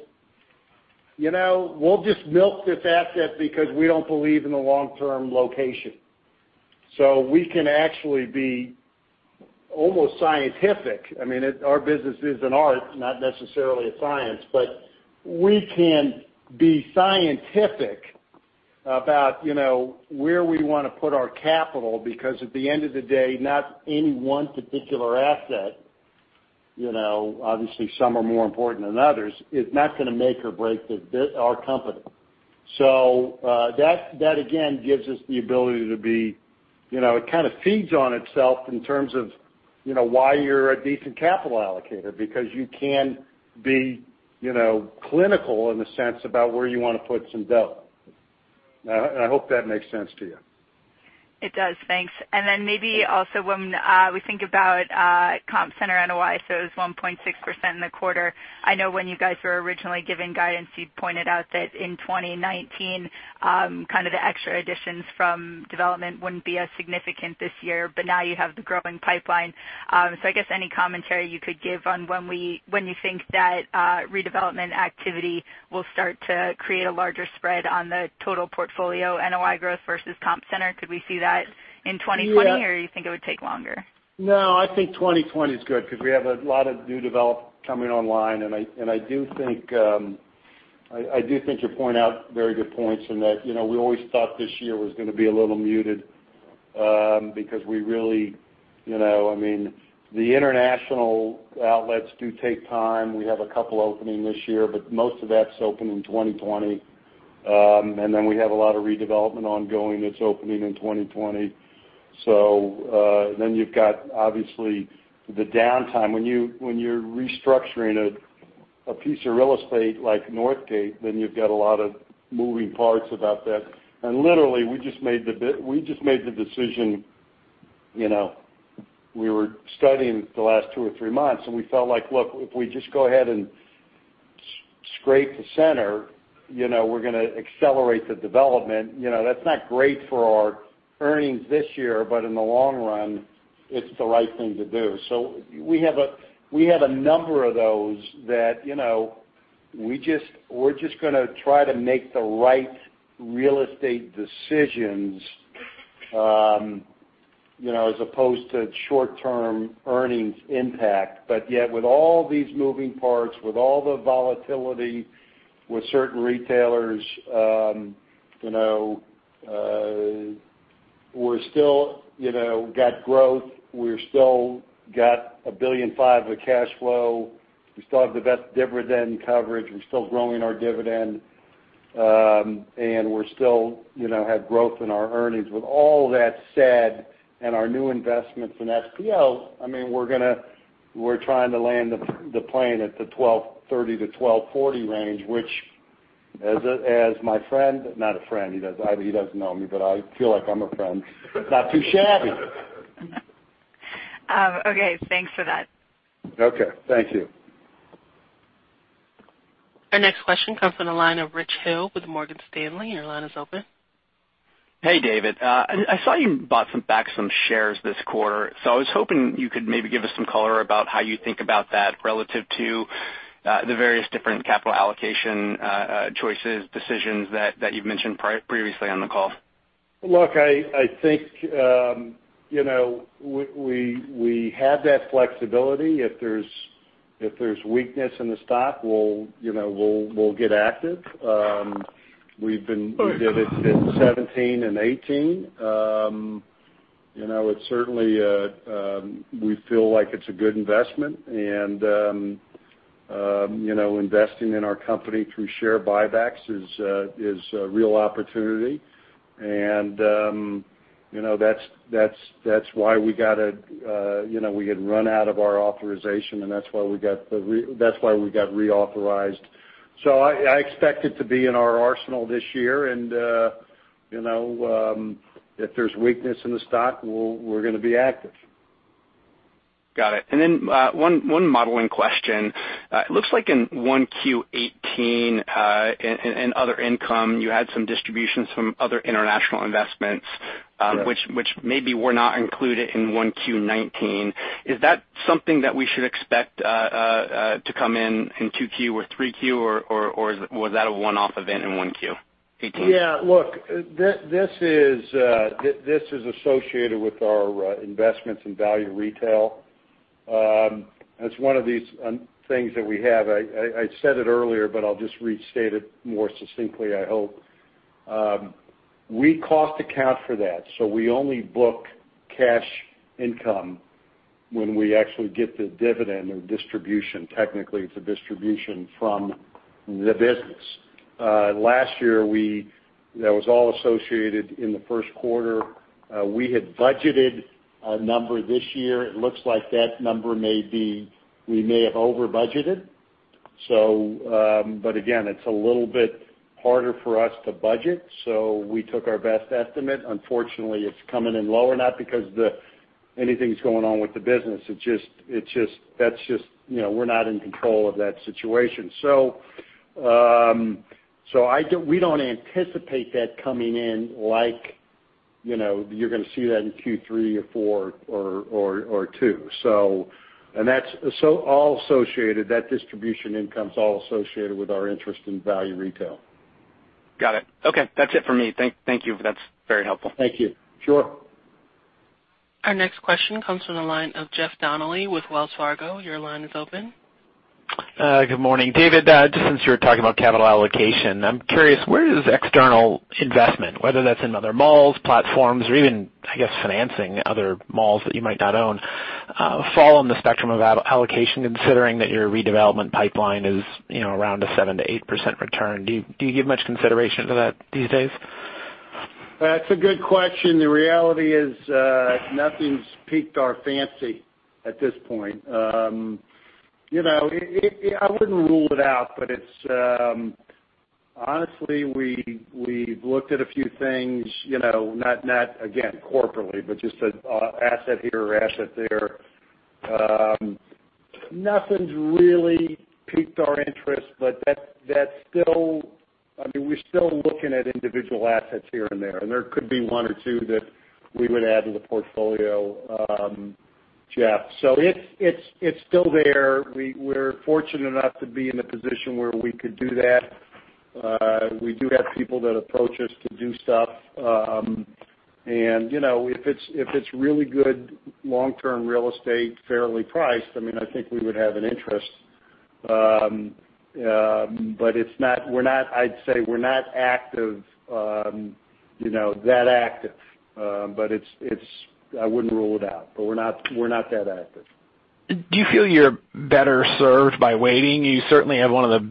C: we'll just milk this asset because we don't believe in the long-term location." We can actually be almost scientific. Our business is an art, not necessarily a science, but we can be scientific about where we want to put our capital, because at the end of the day, not any one particular asset, obviously some are more important than others, is not going to make or break our company. That, again, gives us the ability. It kind of feeds on itself in terms of why you're a decent capital allocator, because you can be clinical in the sense about where you want to put some dough. I hope that makes sense to you.
K: It does. Thanks. Maybe also, when we think about comp center NOI, it was 1.6% in the quarter. I know when you guys were originally giving guidance, you'd pointed out that in 2019, kind of the extra additions from development wouldn't be as significant this year. Now you have the growing pipeline. I guess any commentary you could give on when you think that redevelopment activity will start to create a larger spread on the total portfolio NOI growth versus comp center. Could we see that in 2020, or you think it would take longer?
C: I think 2020's good because we have a lot of new development coming online. I do think you point out very good points in that we always thought this year was going to be a little muted, because the international outlets do take time. We have a couple opening this year, most of that's opening in 2020. We have a lot of redevelopment ongoing that's opening in 2020. You've got, obviously, the downtime. When you're restructuring a piece of real estate like Northgate, you've got a lot of moving parts about that. Literally, we just made the decision. We were studying the last two or three months, we felt like, look, if we just go ahead and scrape the center, we're going to accelerate the development. That's not great for our earnings this year, in the long run, it's the right thing to do. We have a number of those that we're just going to try to make the right real estate decisions as opposed to short-term earnings impact. Yet, with all these moving parts, with all the volatility with certain retailers, we're still got growth. We've still got $1.5 billion of cash flow. We still have the best dividend coverage. We're still growing our dividend. We still have growth in our earnings. With all that said, our new investments in SPO, we're trying to land the plane at the $12.30-$12.40 range, which as my friend, not a friend, he doesn't know me, but I feel like I'm a friend. Not too shabby.
K: Okay, thanks for that.
C: Okay, thank you.
A: Our next question comes from the line of Rich Hill with Morgan Stanley. Your line is open.
L: Hey, David. I saw you bought back some shares this quarter. I was hoping you could maybe give us some color about how you think about that relative to the various different capital allocation choices, decisions that you've mentioned previously on the call.
C: Look, I think we have that flexibility. If there's weakness in the stock, we'll get active. We did it in 2017 and 2018. We feel like it's a good investment, investing in our company through share buybacks is a real opportunity. That's why we had run out of our authorization, and that's why we got reauthorized. I expect it to be in our arsenal this year, and if there's weakness in the stock, we're going to be active.
L: Got it. Then one modeling question. It looks like in 1Q 2018, in other income, you had some distributions from other international investments-
C: Yes
L: which maybe were not included in 1Q 2019. Is that something that we should expect to come in in 2Q or 3Q, or was that a one-off event in 1Q 2018?
C: Yeah, look, this is associated with our investments in Value Retail. It's one of these things that we have. I said it earlier, but I'll just restate it more succinctly, I hope. We cost account for that, we only book cash income when we actually get the dividend or distribution, technically, it's a distribution from the business. Last year, that was all associated in the first quarter. We had budgeted a number this year. It looks like that number may be we may have over-budgeted. But again, it's a little bit harder for us to budget, we took our best estimate. Unfortunately, it's coming in lower, not because anything's going on with the business. We're not in control of that situation. We don't anticipate that coming in like you're going to see that in Q3 or Q4 or Q2. That distribution income's all associated with our interest in Value Retail.
L: Got it. Okay. That's it for me. Thank you. That's very helpful.
C: Thank you. Sure.
A: Our next question comes from the line of Jeffrey Donnelly with Wells Fargo. Your line is open.
M: Good morning, David. Just since you were talking about capital allocation, I'm curious, where does external investment, whether that's in other malls, platforms or even, I guess, financing other malls that you might not own, fall on the spectrum of allocation, considering that your redevelopment pipeline is around a 7%-8% return? Do you give much consideration to that these days?
C: That's a good question. The reality is, nothing's piqued our fancy at this point. I wouldn't rule it out, but honestly, we've looked at a few things, not again, corporately, but just an asset here or asset there. Nothing's really piqued our interest. We're still looking at individual assets here and there, and there could be one or two that we would add to the portfolio, Jeff. It's still there. We're fortunate enough to be in a position where we could do that. We do have people that approach us to do stuff. If it's really good long-term real estate, fairly priced, I think we would have an interest. I'd say we're not that active. I wouldn't rule it out, but we're not that active.
M: Do you feel you're better served by waiting? You certainly have one of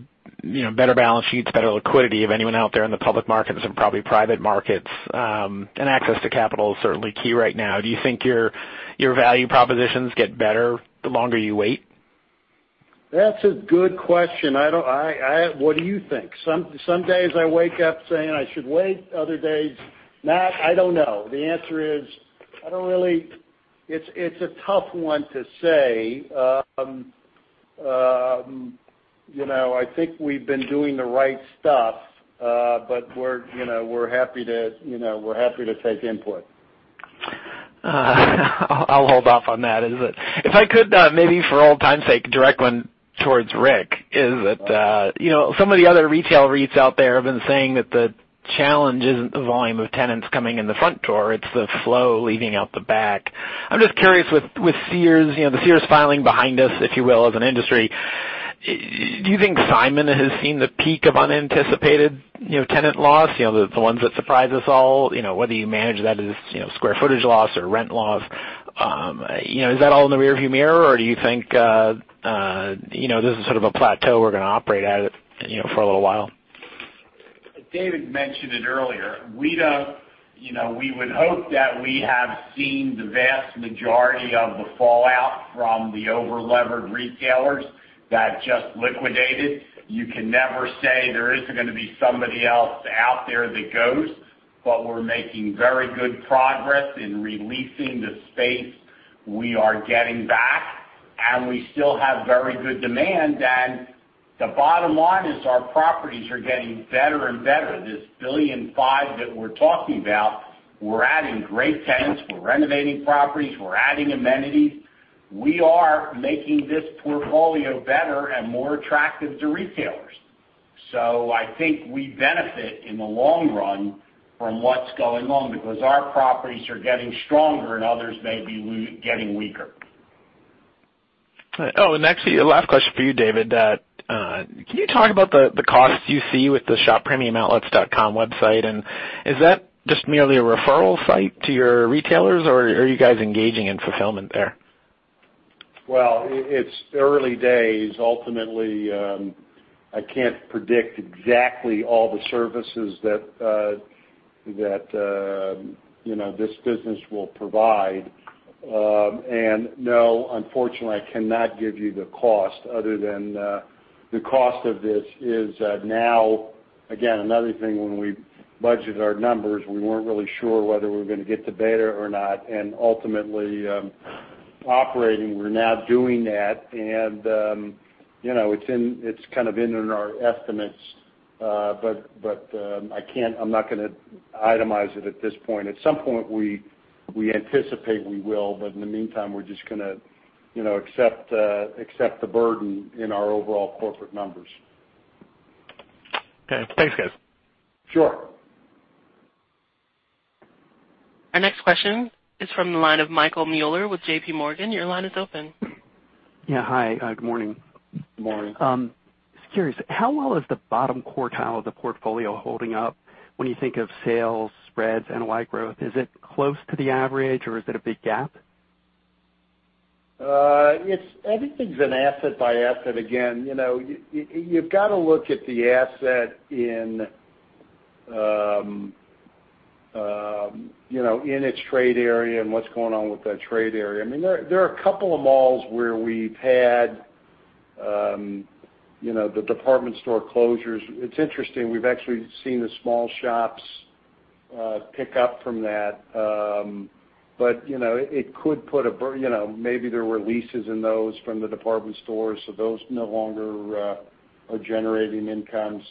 M: the better balance sheets, better liquidity of anyone out there in the public markets and probably private markets. Access to capital is certainly key right now. Do you think your value propositions get better the longer you wait?
C: That's a good question. What do you think? Some days I wake up saying I should wait, other days not. I don't know. The answer is, it's a tough one to say. I think we've been doing the right stuff. We're happy to take input.
M: I'll hold off on that. If I could, maybe for old time's sake, direct one towards Rick, is that some of the other retail REITs out there have been saying that the challenge isn't the volume of tenants coming in the front door, it's the flow leaving out the back. I'm just curious with Sears, the Sears filing behind us, if you will, as an industry, do you think Simon has seen the peak of unanticipated tenant loss? The ones that surprise us all, whether you manage that as square footage loss or rent loss, is that all in the rear-view mirror, or do you think this is sort of a plateau we're going to operate at for a little while?
I: David mentioned it earlier. We would hope that we have seen the vast majority of the fallout from the over-levered retailers that just liquidated. You can never say there isn't going to be somebody else out there that goes, but we're making very good progress in re-leasing the space we are getting back, and we still have very good demand. The bottom line is our properties are getting better and better. This $1.5 billion that we're talking about, we're adding great tenants. We're renovating properties. We're adding amenities. We are making this portfolio better and more attractive to retailers. I think we benefit in the long run from what's going on because our properties are getting stronger and others may be getting weaker.
M: Actually a last question for you, David. Can you talk about the costs you see with the shoppremiumoutlets.com website, and is that just merely a referral site to your retailers, or are you guys engaging in fulfillment there?
C: Well, it's early days. Ultimately, I can't predict exactly all the services that this business will provide. No, unfortunately, I cannot give you the cost other than the cost of this is now again, another thing when we budget our numbers, we weren't really sure whether we were going to get to beta or not, and ultimately, operating, we're now doing that. It's kind of in our estimates. I'm not going to itemize it at this point. At some point, we anticipate we will, in the meantime, we're just going to accept the burden in our overall corporate numbers.
M: Okay. Thanks, guys.
C: Sure.
A: Our next question is from the line of Michael Mueller with J.P. Morgan. Your line is open.
N: Yeah. Hi, good morning.
C: Good morning.
N: Just curious, how well is the bottom quartile of the portfolio holding up when you think of sales, spreads, NOI growth? Is it close to the average or is it a big gap?
C: Everything's an asset by asset, again. You've got to look at the asset in its trade area and what's going on with that trade area. There are a couple of malls where we've had the department store closures. It's interesting, we've actually seen the small shops pick up from that. Maybe there were leases in those from the department stores, so those no longer are generating income.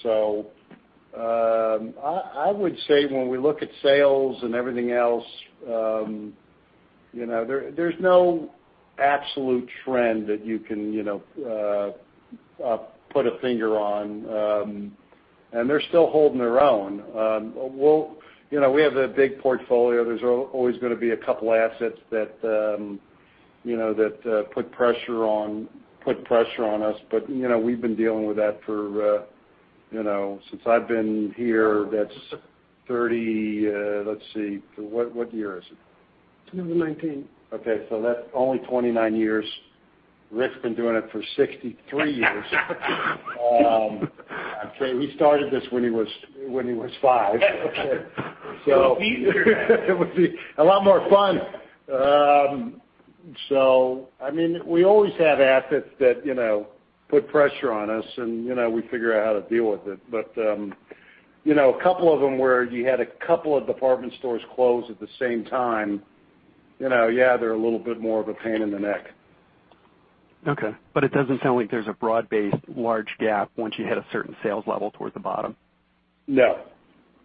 C: I would say when we look at sales and everything else, there's no absolute trend that you can put a finger on. They're still holding their own. We have that big portfolio. There's always going to be a couple assets that put pressure on us, but we've been dealing with that since I've been here, that's 30. Let's see. What year is it?
N: 2019.
C: That's only 29 years. Rick's been doing it for 63 years. He started this when he was five.
N: It was easier then.
C: It would be a lot more fun. We always have assets that put pressure on us, and we figure out how to deal with it. A couple of them where you had a couple of department stores close at the same time, yeah, they're a little bit more of a pain in the neck.
N: Okay. It doesn't sound like there's a broad-based, large gap once you hit a certain sales level towards the bottom.
C: No.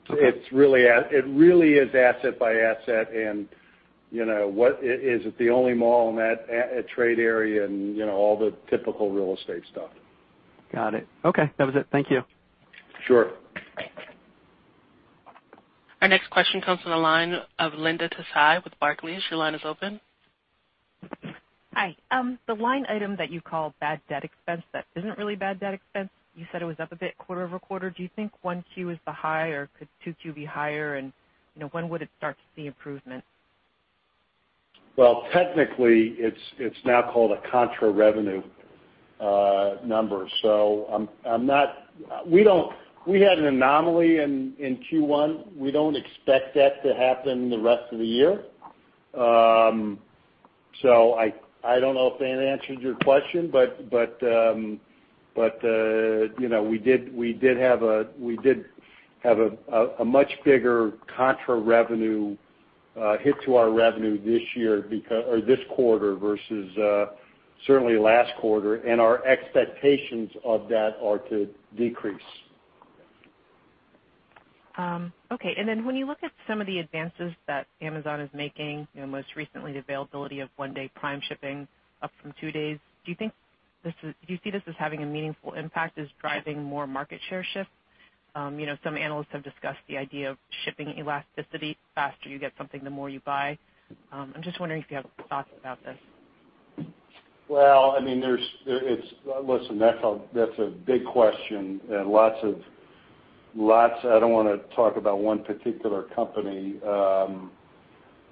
N: Okay.
C: It really is asset by asset, is it the only mall in that trade area, all the typical real estate stuff.
N: Got it. Okay, that was it. Thank you.
C: Sure.
A: Our next question comes from the line of Linda Tsai with Barclays. Your line is open.
O: Hi. The line item that you call bad debt expense, that isn't really bad debt expense, you said it was up a bit quarter-over-quarter. Do you think 1Q is the high, or could 2Q be higher, and when would it start to see improvement?
C: Well, technically, it's now called a contra revenue number. We had an anomaly in Q1. We don't expect that to happen the rest of the year. I don't know if that answered your question, but we did have a much bigger contra revenue hit to our revenue this quarter versus certainly last quarter, our expectations of that are to decrease.
O: Okay. When you look at some of the advances that Amazon is making, most recently the availability of one-day Prime shipping up from two days, do you see this as having a meaningful impact as driving more market share shift? Some analysts have discussed the idea of shipping elasticity. The faster you get something, the more you buy. I'm just wondering if you have thoughts about this.
C: Listen, that's a big question. I don't want to talk about one particular company. That's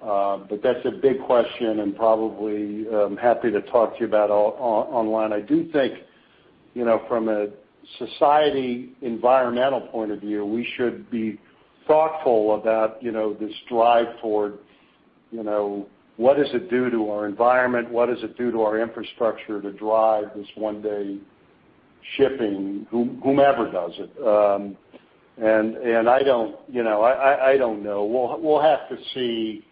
C: a big question and probably, I'm happy to talk to you about online. I do think from a society environmental point of view, we should be thoughtful about this drive toward what does it do to our environment, what does it do to our infrastructure to drive this one-day shipping, whomever does it. I don't know. We'll have to see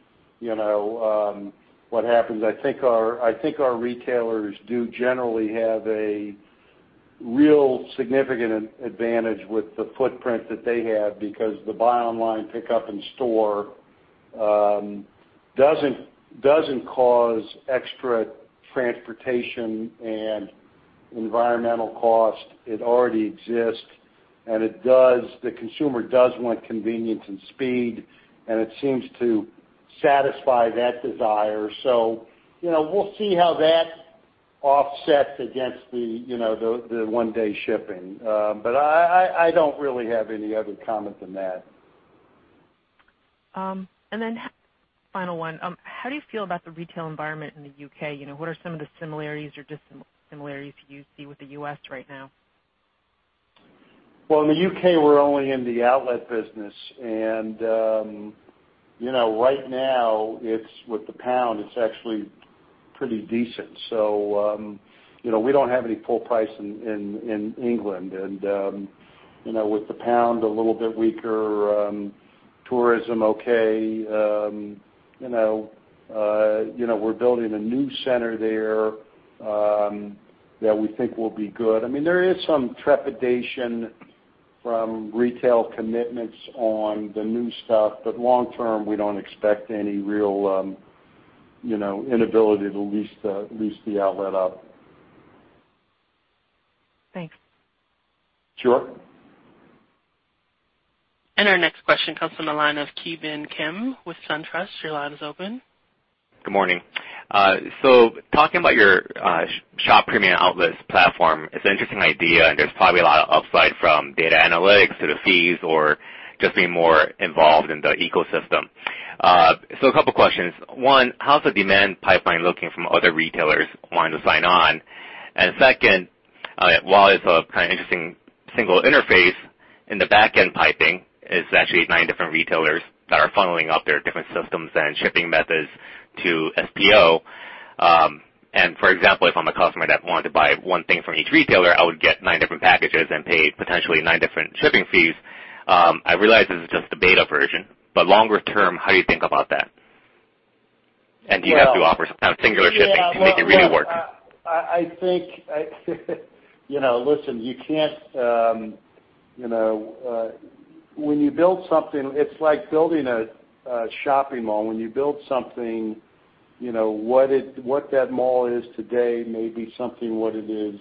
C: what happens. I think our retailers do generally have a real significant advantage with the footprint that they have because the buy online, pick up in-store doesn't cause extra transportation and environmental cost. It already exists. The consumer does want convenience and speed, and it seems to satisfy that desire. We'll see how that offsets against the one-day shipping. I don't really have any other comment than that.
O: Final one. How do you feel about the retail environment in the U.K.? What are some of the similarities or dissimilarities you see with the U.S. right now?
C: In the U.K., we're only in the outlet business. Right now, with the pound, it's actually pretty decent. We don't have any full price in England. With the pound a little bit weaker, tourism okay. We're building a new center there that we think will be good. There is some trepidation from retail commitments on the new stuff, long term, we don't expect any real inability to lease the outlet up.
O: Thanks.
C: Sure.
A: Our next question comes from the line of Ki Bin Kim with SunTrust. Your line is open.
P: Talking about your Shop Premium Outlets platform, it's an interesting idea, and there's probably a lot of upside from data analytics to the fees or just being more involved in the ecosystem. A couple questions. One, how's the demand pipeline looking from other retailers wanting to sign on? Second, while it's a kind of interesting single interface in the backend piping, it's actually 9 different retailers that are funneling up their different systems and shipping methods to SPO. For example, if I'm a customer that wanted to buy 1 thing from each retailer, I would get 9 different packages and pay potentially 9 different shipping fees. I realize this is just the beta version, but longer term, how do you think about that? Do you have to offer some kind of singular shipping to make it really work?
C: Listen, when you build something, it's like building a shopping mall. When you build something, what that mall is today may be something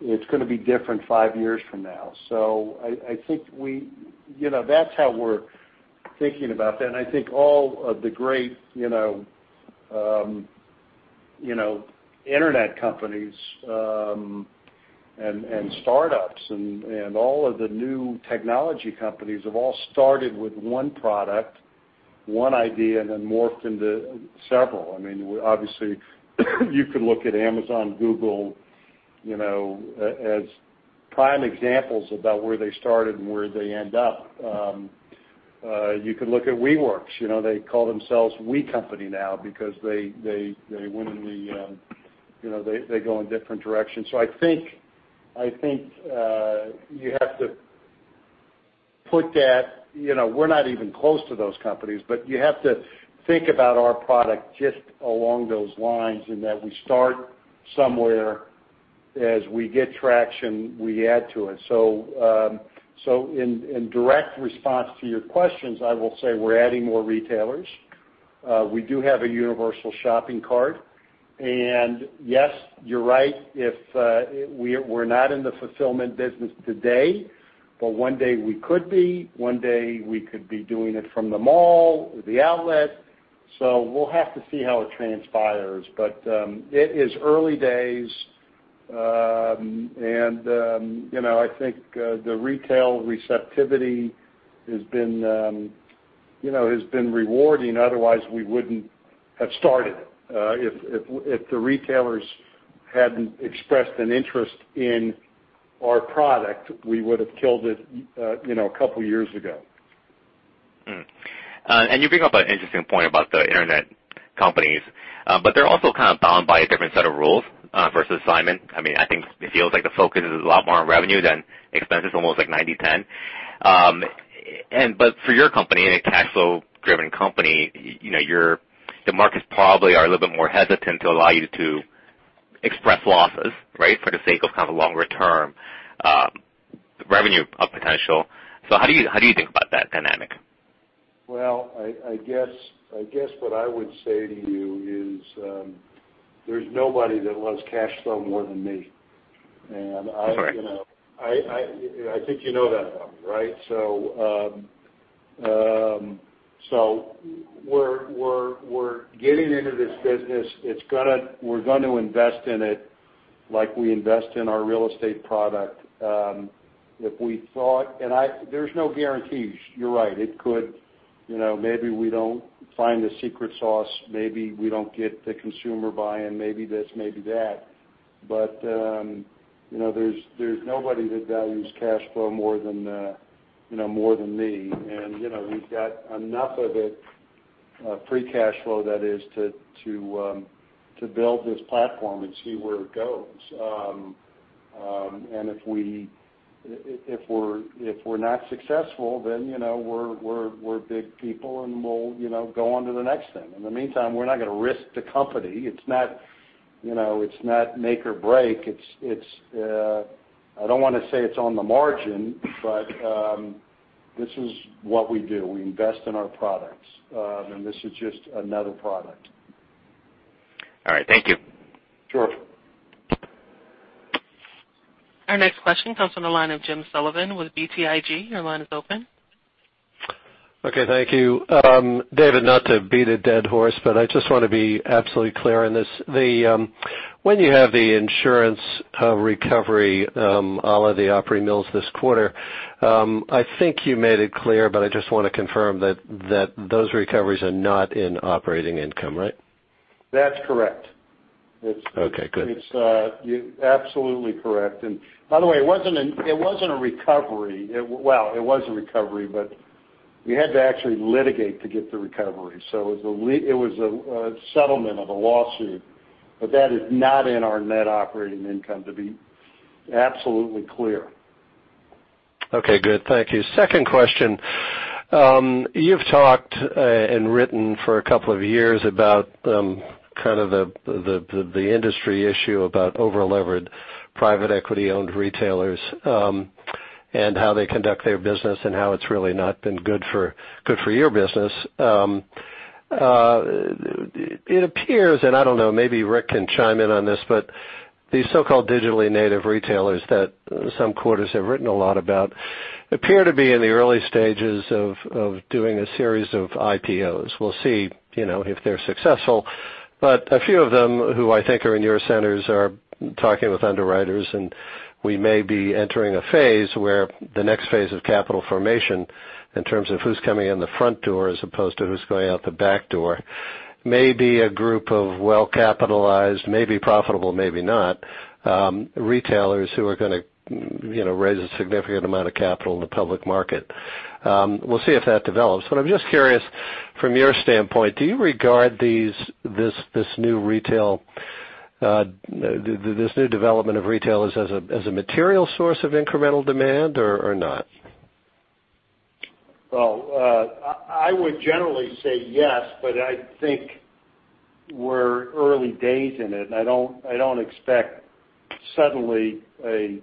C: It's going to be different 5 years from now. I think that's how we're thinking about that, I think all of the great internet companies, startups, and all of the new technology companies have all started with 1 product, 1 idea, and then morphed into several. Obviously, you could look at Amazon, Google, as Prime examples about where they started and where they end up. You could look at WeWork. They call themselves The We Company now because they go in different directions. We're not even close to those companies, but you have to think about our product just along those lines, in that we start somewhere. As we get traction, we add to it. In direct response to your questions, I will say we're adding more retailers. We do have a universal shopping cart. Yes, you're right, we're not in the fulfillment business today, but 1 day we could be. 1 day we could be doing it from the mall or the outlet. We'll have to see how it transpires. It is early days, and I think the retail receptivity has been rewarding, otherwise we wouldn't have started it. If the retailers hadn't expressed an interest in our product, we would've killed it a 2 years ago.
P: You bring up an interesting point about the internet companies. They're also kind of bound by a different set of rules, versus Simon. I think it feels like the focus is a lot more on revenue than expenses, almost like 90/10. For your company, in a cash flow driven company, the markets probably are a little bit more hesitant to allow you to express losses for the sake of kind of a longer term revenue potential. How do you think about that dynamic?
C: Well, I guess what I would say to you is, there's nobody that loves cash flow more than me.
P: Right.
C: I think you know that about me, right? We're getting into this business. We're going to invest in it like we invest in our real estate product. There's no guarantees, you're right. Maybe we don't find the secret sauce. Maybe we don't get the consumer buy-in. Maybe this, maybe that. There's nobody that values cash flow more than me. We've got enough of it, free cash flow that is, to build this platform and see where it goes. If we're not successful, then we're big people, and we'll go on to the next thing. In the meantime, we're not going to risk the company. It's not make or break. I don't want to say it's on the margin, but this is what we do. We invest in our products. This is just another product.
P: All right. Thank you.
C: Sure.
A: Our next question comes from the line of James Sullivan with BTIG. Your line is open.
Q: Okay, thank you. David, not to beat a dead horse, I just want to be absolutely clear on this. When you have the insurance recovery all of the Opry Mills this quarter, I think you made it clear, I just want to confirm that those recoveries are not in operating income, right?
C: That's correct.
Q: Okay, good.
C: It's absolutely correct. By the way, it wasn't a recovery. Well, it was a recovery, we had to actually litigate to get the recovery. It was a settlement of a lawsuit. That is not in our net operating income, to be absolutely clear.
Q: Okay, good. Thank you. Second question. You've talked and written for a couple of years about kind of the industry issue about over-levered private equity owned retailers, and how they conduct their business, and how it's really not been good for your business. It appears, and I don't know, maybe Rick can chime in on this, but these so-called digitally native retailers that some quarters have written a lot about appear to be in the early stages of doing a series of IPOs. We'll see if they're successful. A few of them who I think are in your centers are talking with underwriters, and we may be entering a phase where the next phase of capital formation, in terms of who's coming in the front door as opposed to who's going out the back door, may be a group of well-capitalized, maybe profitable, maybe not, retailers who are going to raise a significant amount of capital in the public market. We'll see if that develops. I'm just curious from your standpoint, do you regard this new development of retail as a material source of incremental demand or not?
C: Well, I would generally say yes, but I think we're early days in it, and I don't expect suddenly a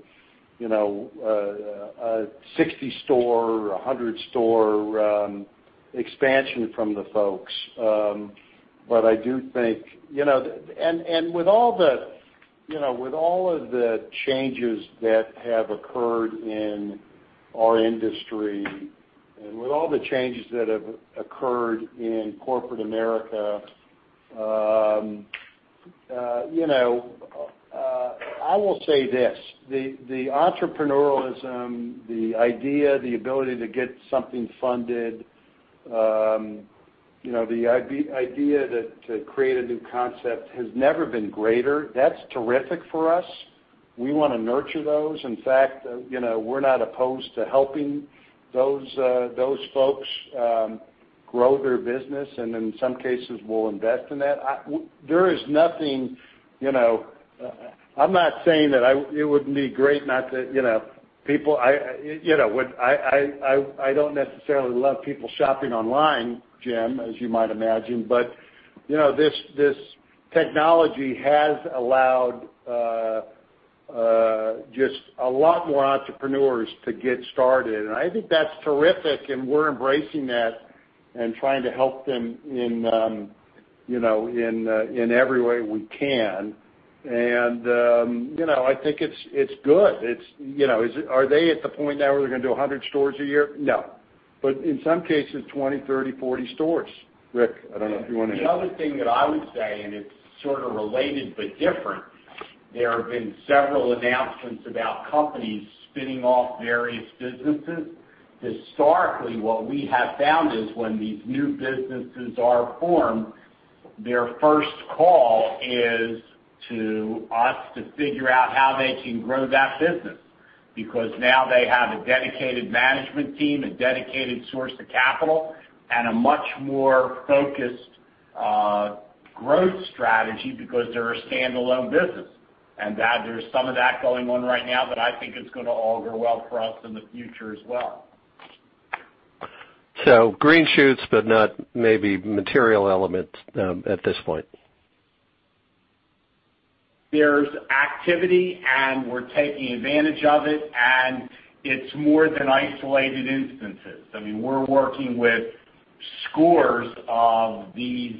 C: 60 store or 100 store expansion from the folks. With all of the changes that have occurred in our industry and with all the changes that have occurred in corporate America, I will say this. The entrepreneurial-ism, the idea, the ability to get something funded, the idea to create a new concept has never been greater. That's terrific for us. We want to nurture those. In fact, we're not opposed to helping those folks grow their business, and in some cases, we'll invest in that. I'm not saying that it wouldn't be great, I don't necessarily love people shopping online, Jim, as you might imagine. This technology has allowed just a lot more entrepreneurs to get started. I think that's terrific, and we're embracing that and trying to help them in every way we can. I think it's good. Are they at the point now where they're going to do 100 stores a year? No. In some cases, 20, 30, 40 stores. Rick, I don't know if you want to.
I: The other thing that I would say, and it's sort of related but different, there have been several announcements about companies spinning off various businesses. Historically, what we have found is when these new businesses are formed, their first call is to us to figure out how they can grow that business. Because now they have a dedicated management team, a dedicated source to capital, and a much more focused growth strategy because they're a standalone business. There's some of that going on right now, but I think it's going to all go well for us in the future as well.
Q: Green shoots, but not maybe material elements at this point.
I: There's activity, and we're taking advantage of it, and it's more than isolated instances. We're working with scores of these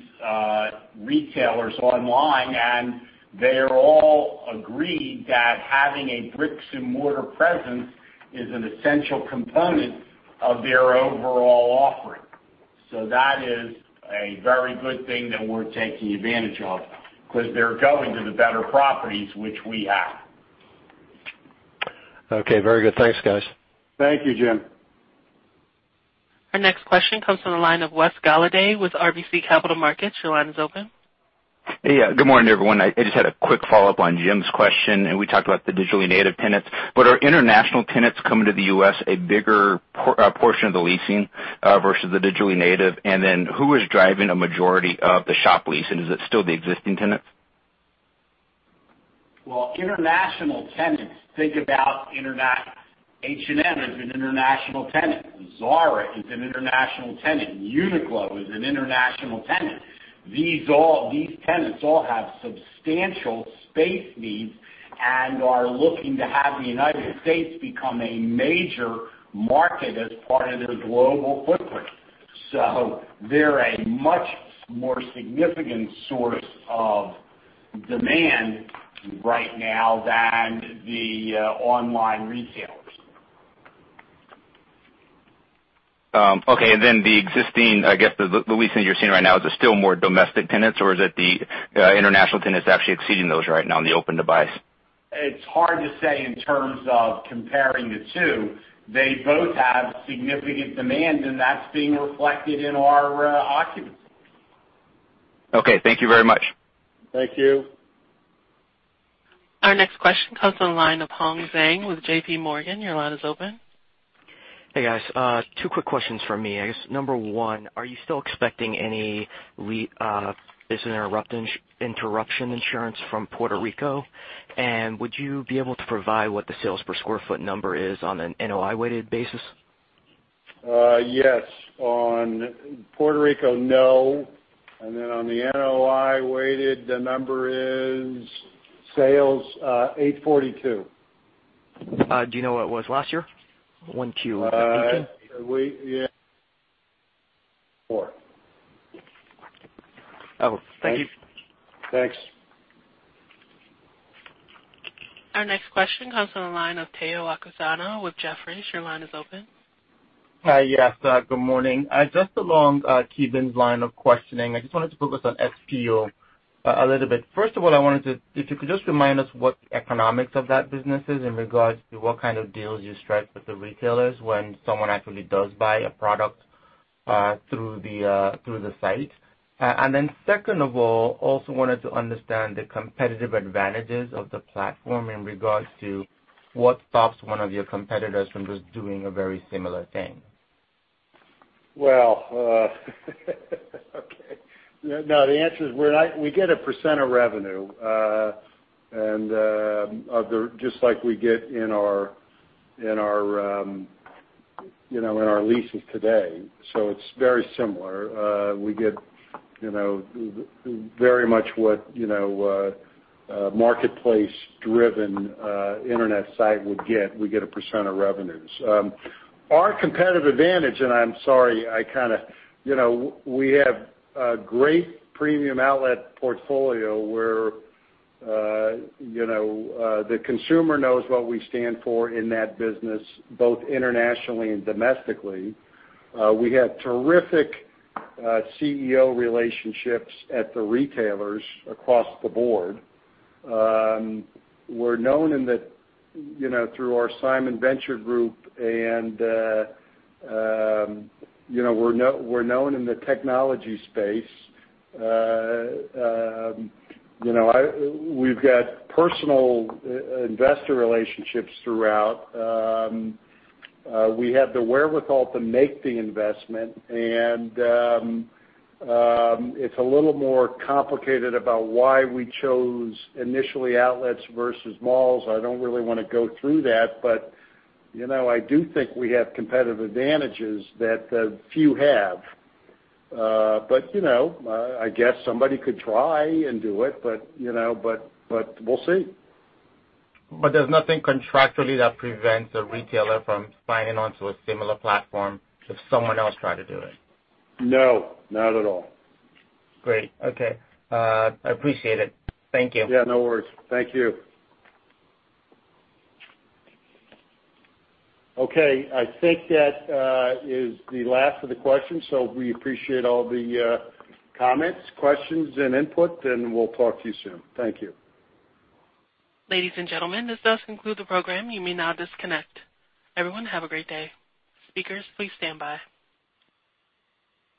I: retailers online, and they all agree that having a bricks and mortar presence is an essential component of their overall offering. That is a very good thing that we're taking advantage of because they're going to the better properties, which we have.
Q: Okay. Very good. Thanks, guys.
C: Thank you, Jim.
A: Our next question comes from the line of Wes Golladay with RBC Capital Markets. Your line is open.
R: Yeah. Good morning, everyone. I just had a quick follow-up on Jim's question. We talked about the digitally native tenants. Are international tenants coming to the U.S. a bigger portion of the leasing versus the digitally native? Who is driving a majority of the shop leasing? Is it still the existing tenants?
I: Well, international tenants. Think about H&M is an international tenant. Zara is an international tenant. Uniqlo is an international tenant. These tenants all have substantial space needs and are looking to have the United States become a major market as part of their global footprint. They're a much more significant source of demand right now than the online retailers.
R: Okay. Then the existing, I guess, the leasing that you're seeing right now, is it still more domestic tenants, or is it the international tenants actually exceeding those right now in the open device?
I: It's hard to say in terms of comparing the two. They both have significant demand, and that's being reflected in our occupancy.
R: Okay. Thank you very much.
C: Thank you.
A: Our next question comes from the line of Hang Zheng with JPMorgan. Your line is open.
S: Hey, guys. Two quick questions from me. I guess, number one, are you still expecting any business interruption insurance from Puerto Rico, would you be able to provide what the sales per square foot number is on an NOI-weighted basis?
C: Yes. On Puerto Rico, no. Then on the NOI weighted, the number is sales $842.
S: Do you know what it was last year? 1Q 2018?
C: yeah. Four.
S: Oh, thank you.
C: Thanks.
A: Our next question comes from the line of Omotayo Okusanya with Jefferies. Your line is open.
T: Hi. Yes, good morning. Just along Ki Bin's line of questioning, I just wanted to focus on SPO a little bit. First of all, if you could just remind us what the economics of that business is in regards to what kind of deals you strike with the retailers when someone actually does buy a product through the site. Second of all, also wanted to understand the competitive advantages of the platform in regards to what stops one of your competitors from just doing a very similar thing.
C: Well, okay. No, the answer is we get a percent of revenue, just like we get in our leases today. It's very similar. We get very much what a marketplace-driven internet site would get. We get a percent of revenues. Our competitive advantage, I'm sorry, we have a great Premium Outlets portfolio where the consumer knows what we stand for in that business, both internationally and domestically. We have terrific CEO relationships at the retailers across the board. We're known through our Simon Venture Group, and we're known in the technology space. We've got personal investor relationships throughout. We have the wherewithal to make the investment, it's a little more complicated about why we chose initially outlets versus malls. I don't really want to go through that, I do think we have competitive advantages that few have. I guess somebody could try and do it, we'll see.
T: There's nothing contractually that prevents a retailer from signing onto a similar platform if someone else tried to do it?
C: No, not at all.
T: Great. Okay. I appreciate it. Thank you.
C: Yeah, no worries. Thank you. Okay, I think that is the last of the questions. We appreciate all the comments, questions, and input, and we'll talk to you soon. Thank you.
A: Ladies and gentlemen, this does conclude the program. You may now disconnect. Everyone, have a great day. Speakers, please stand by.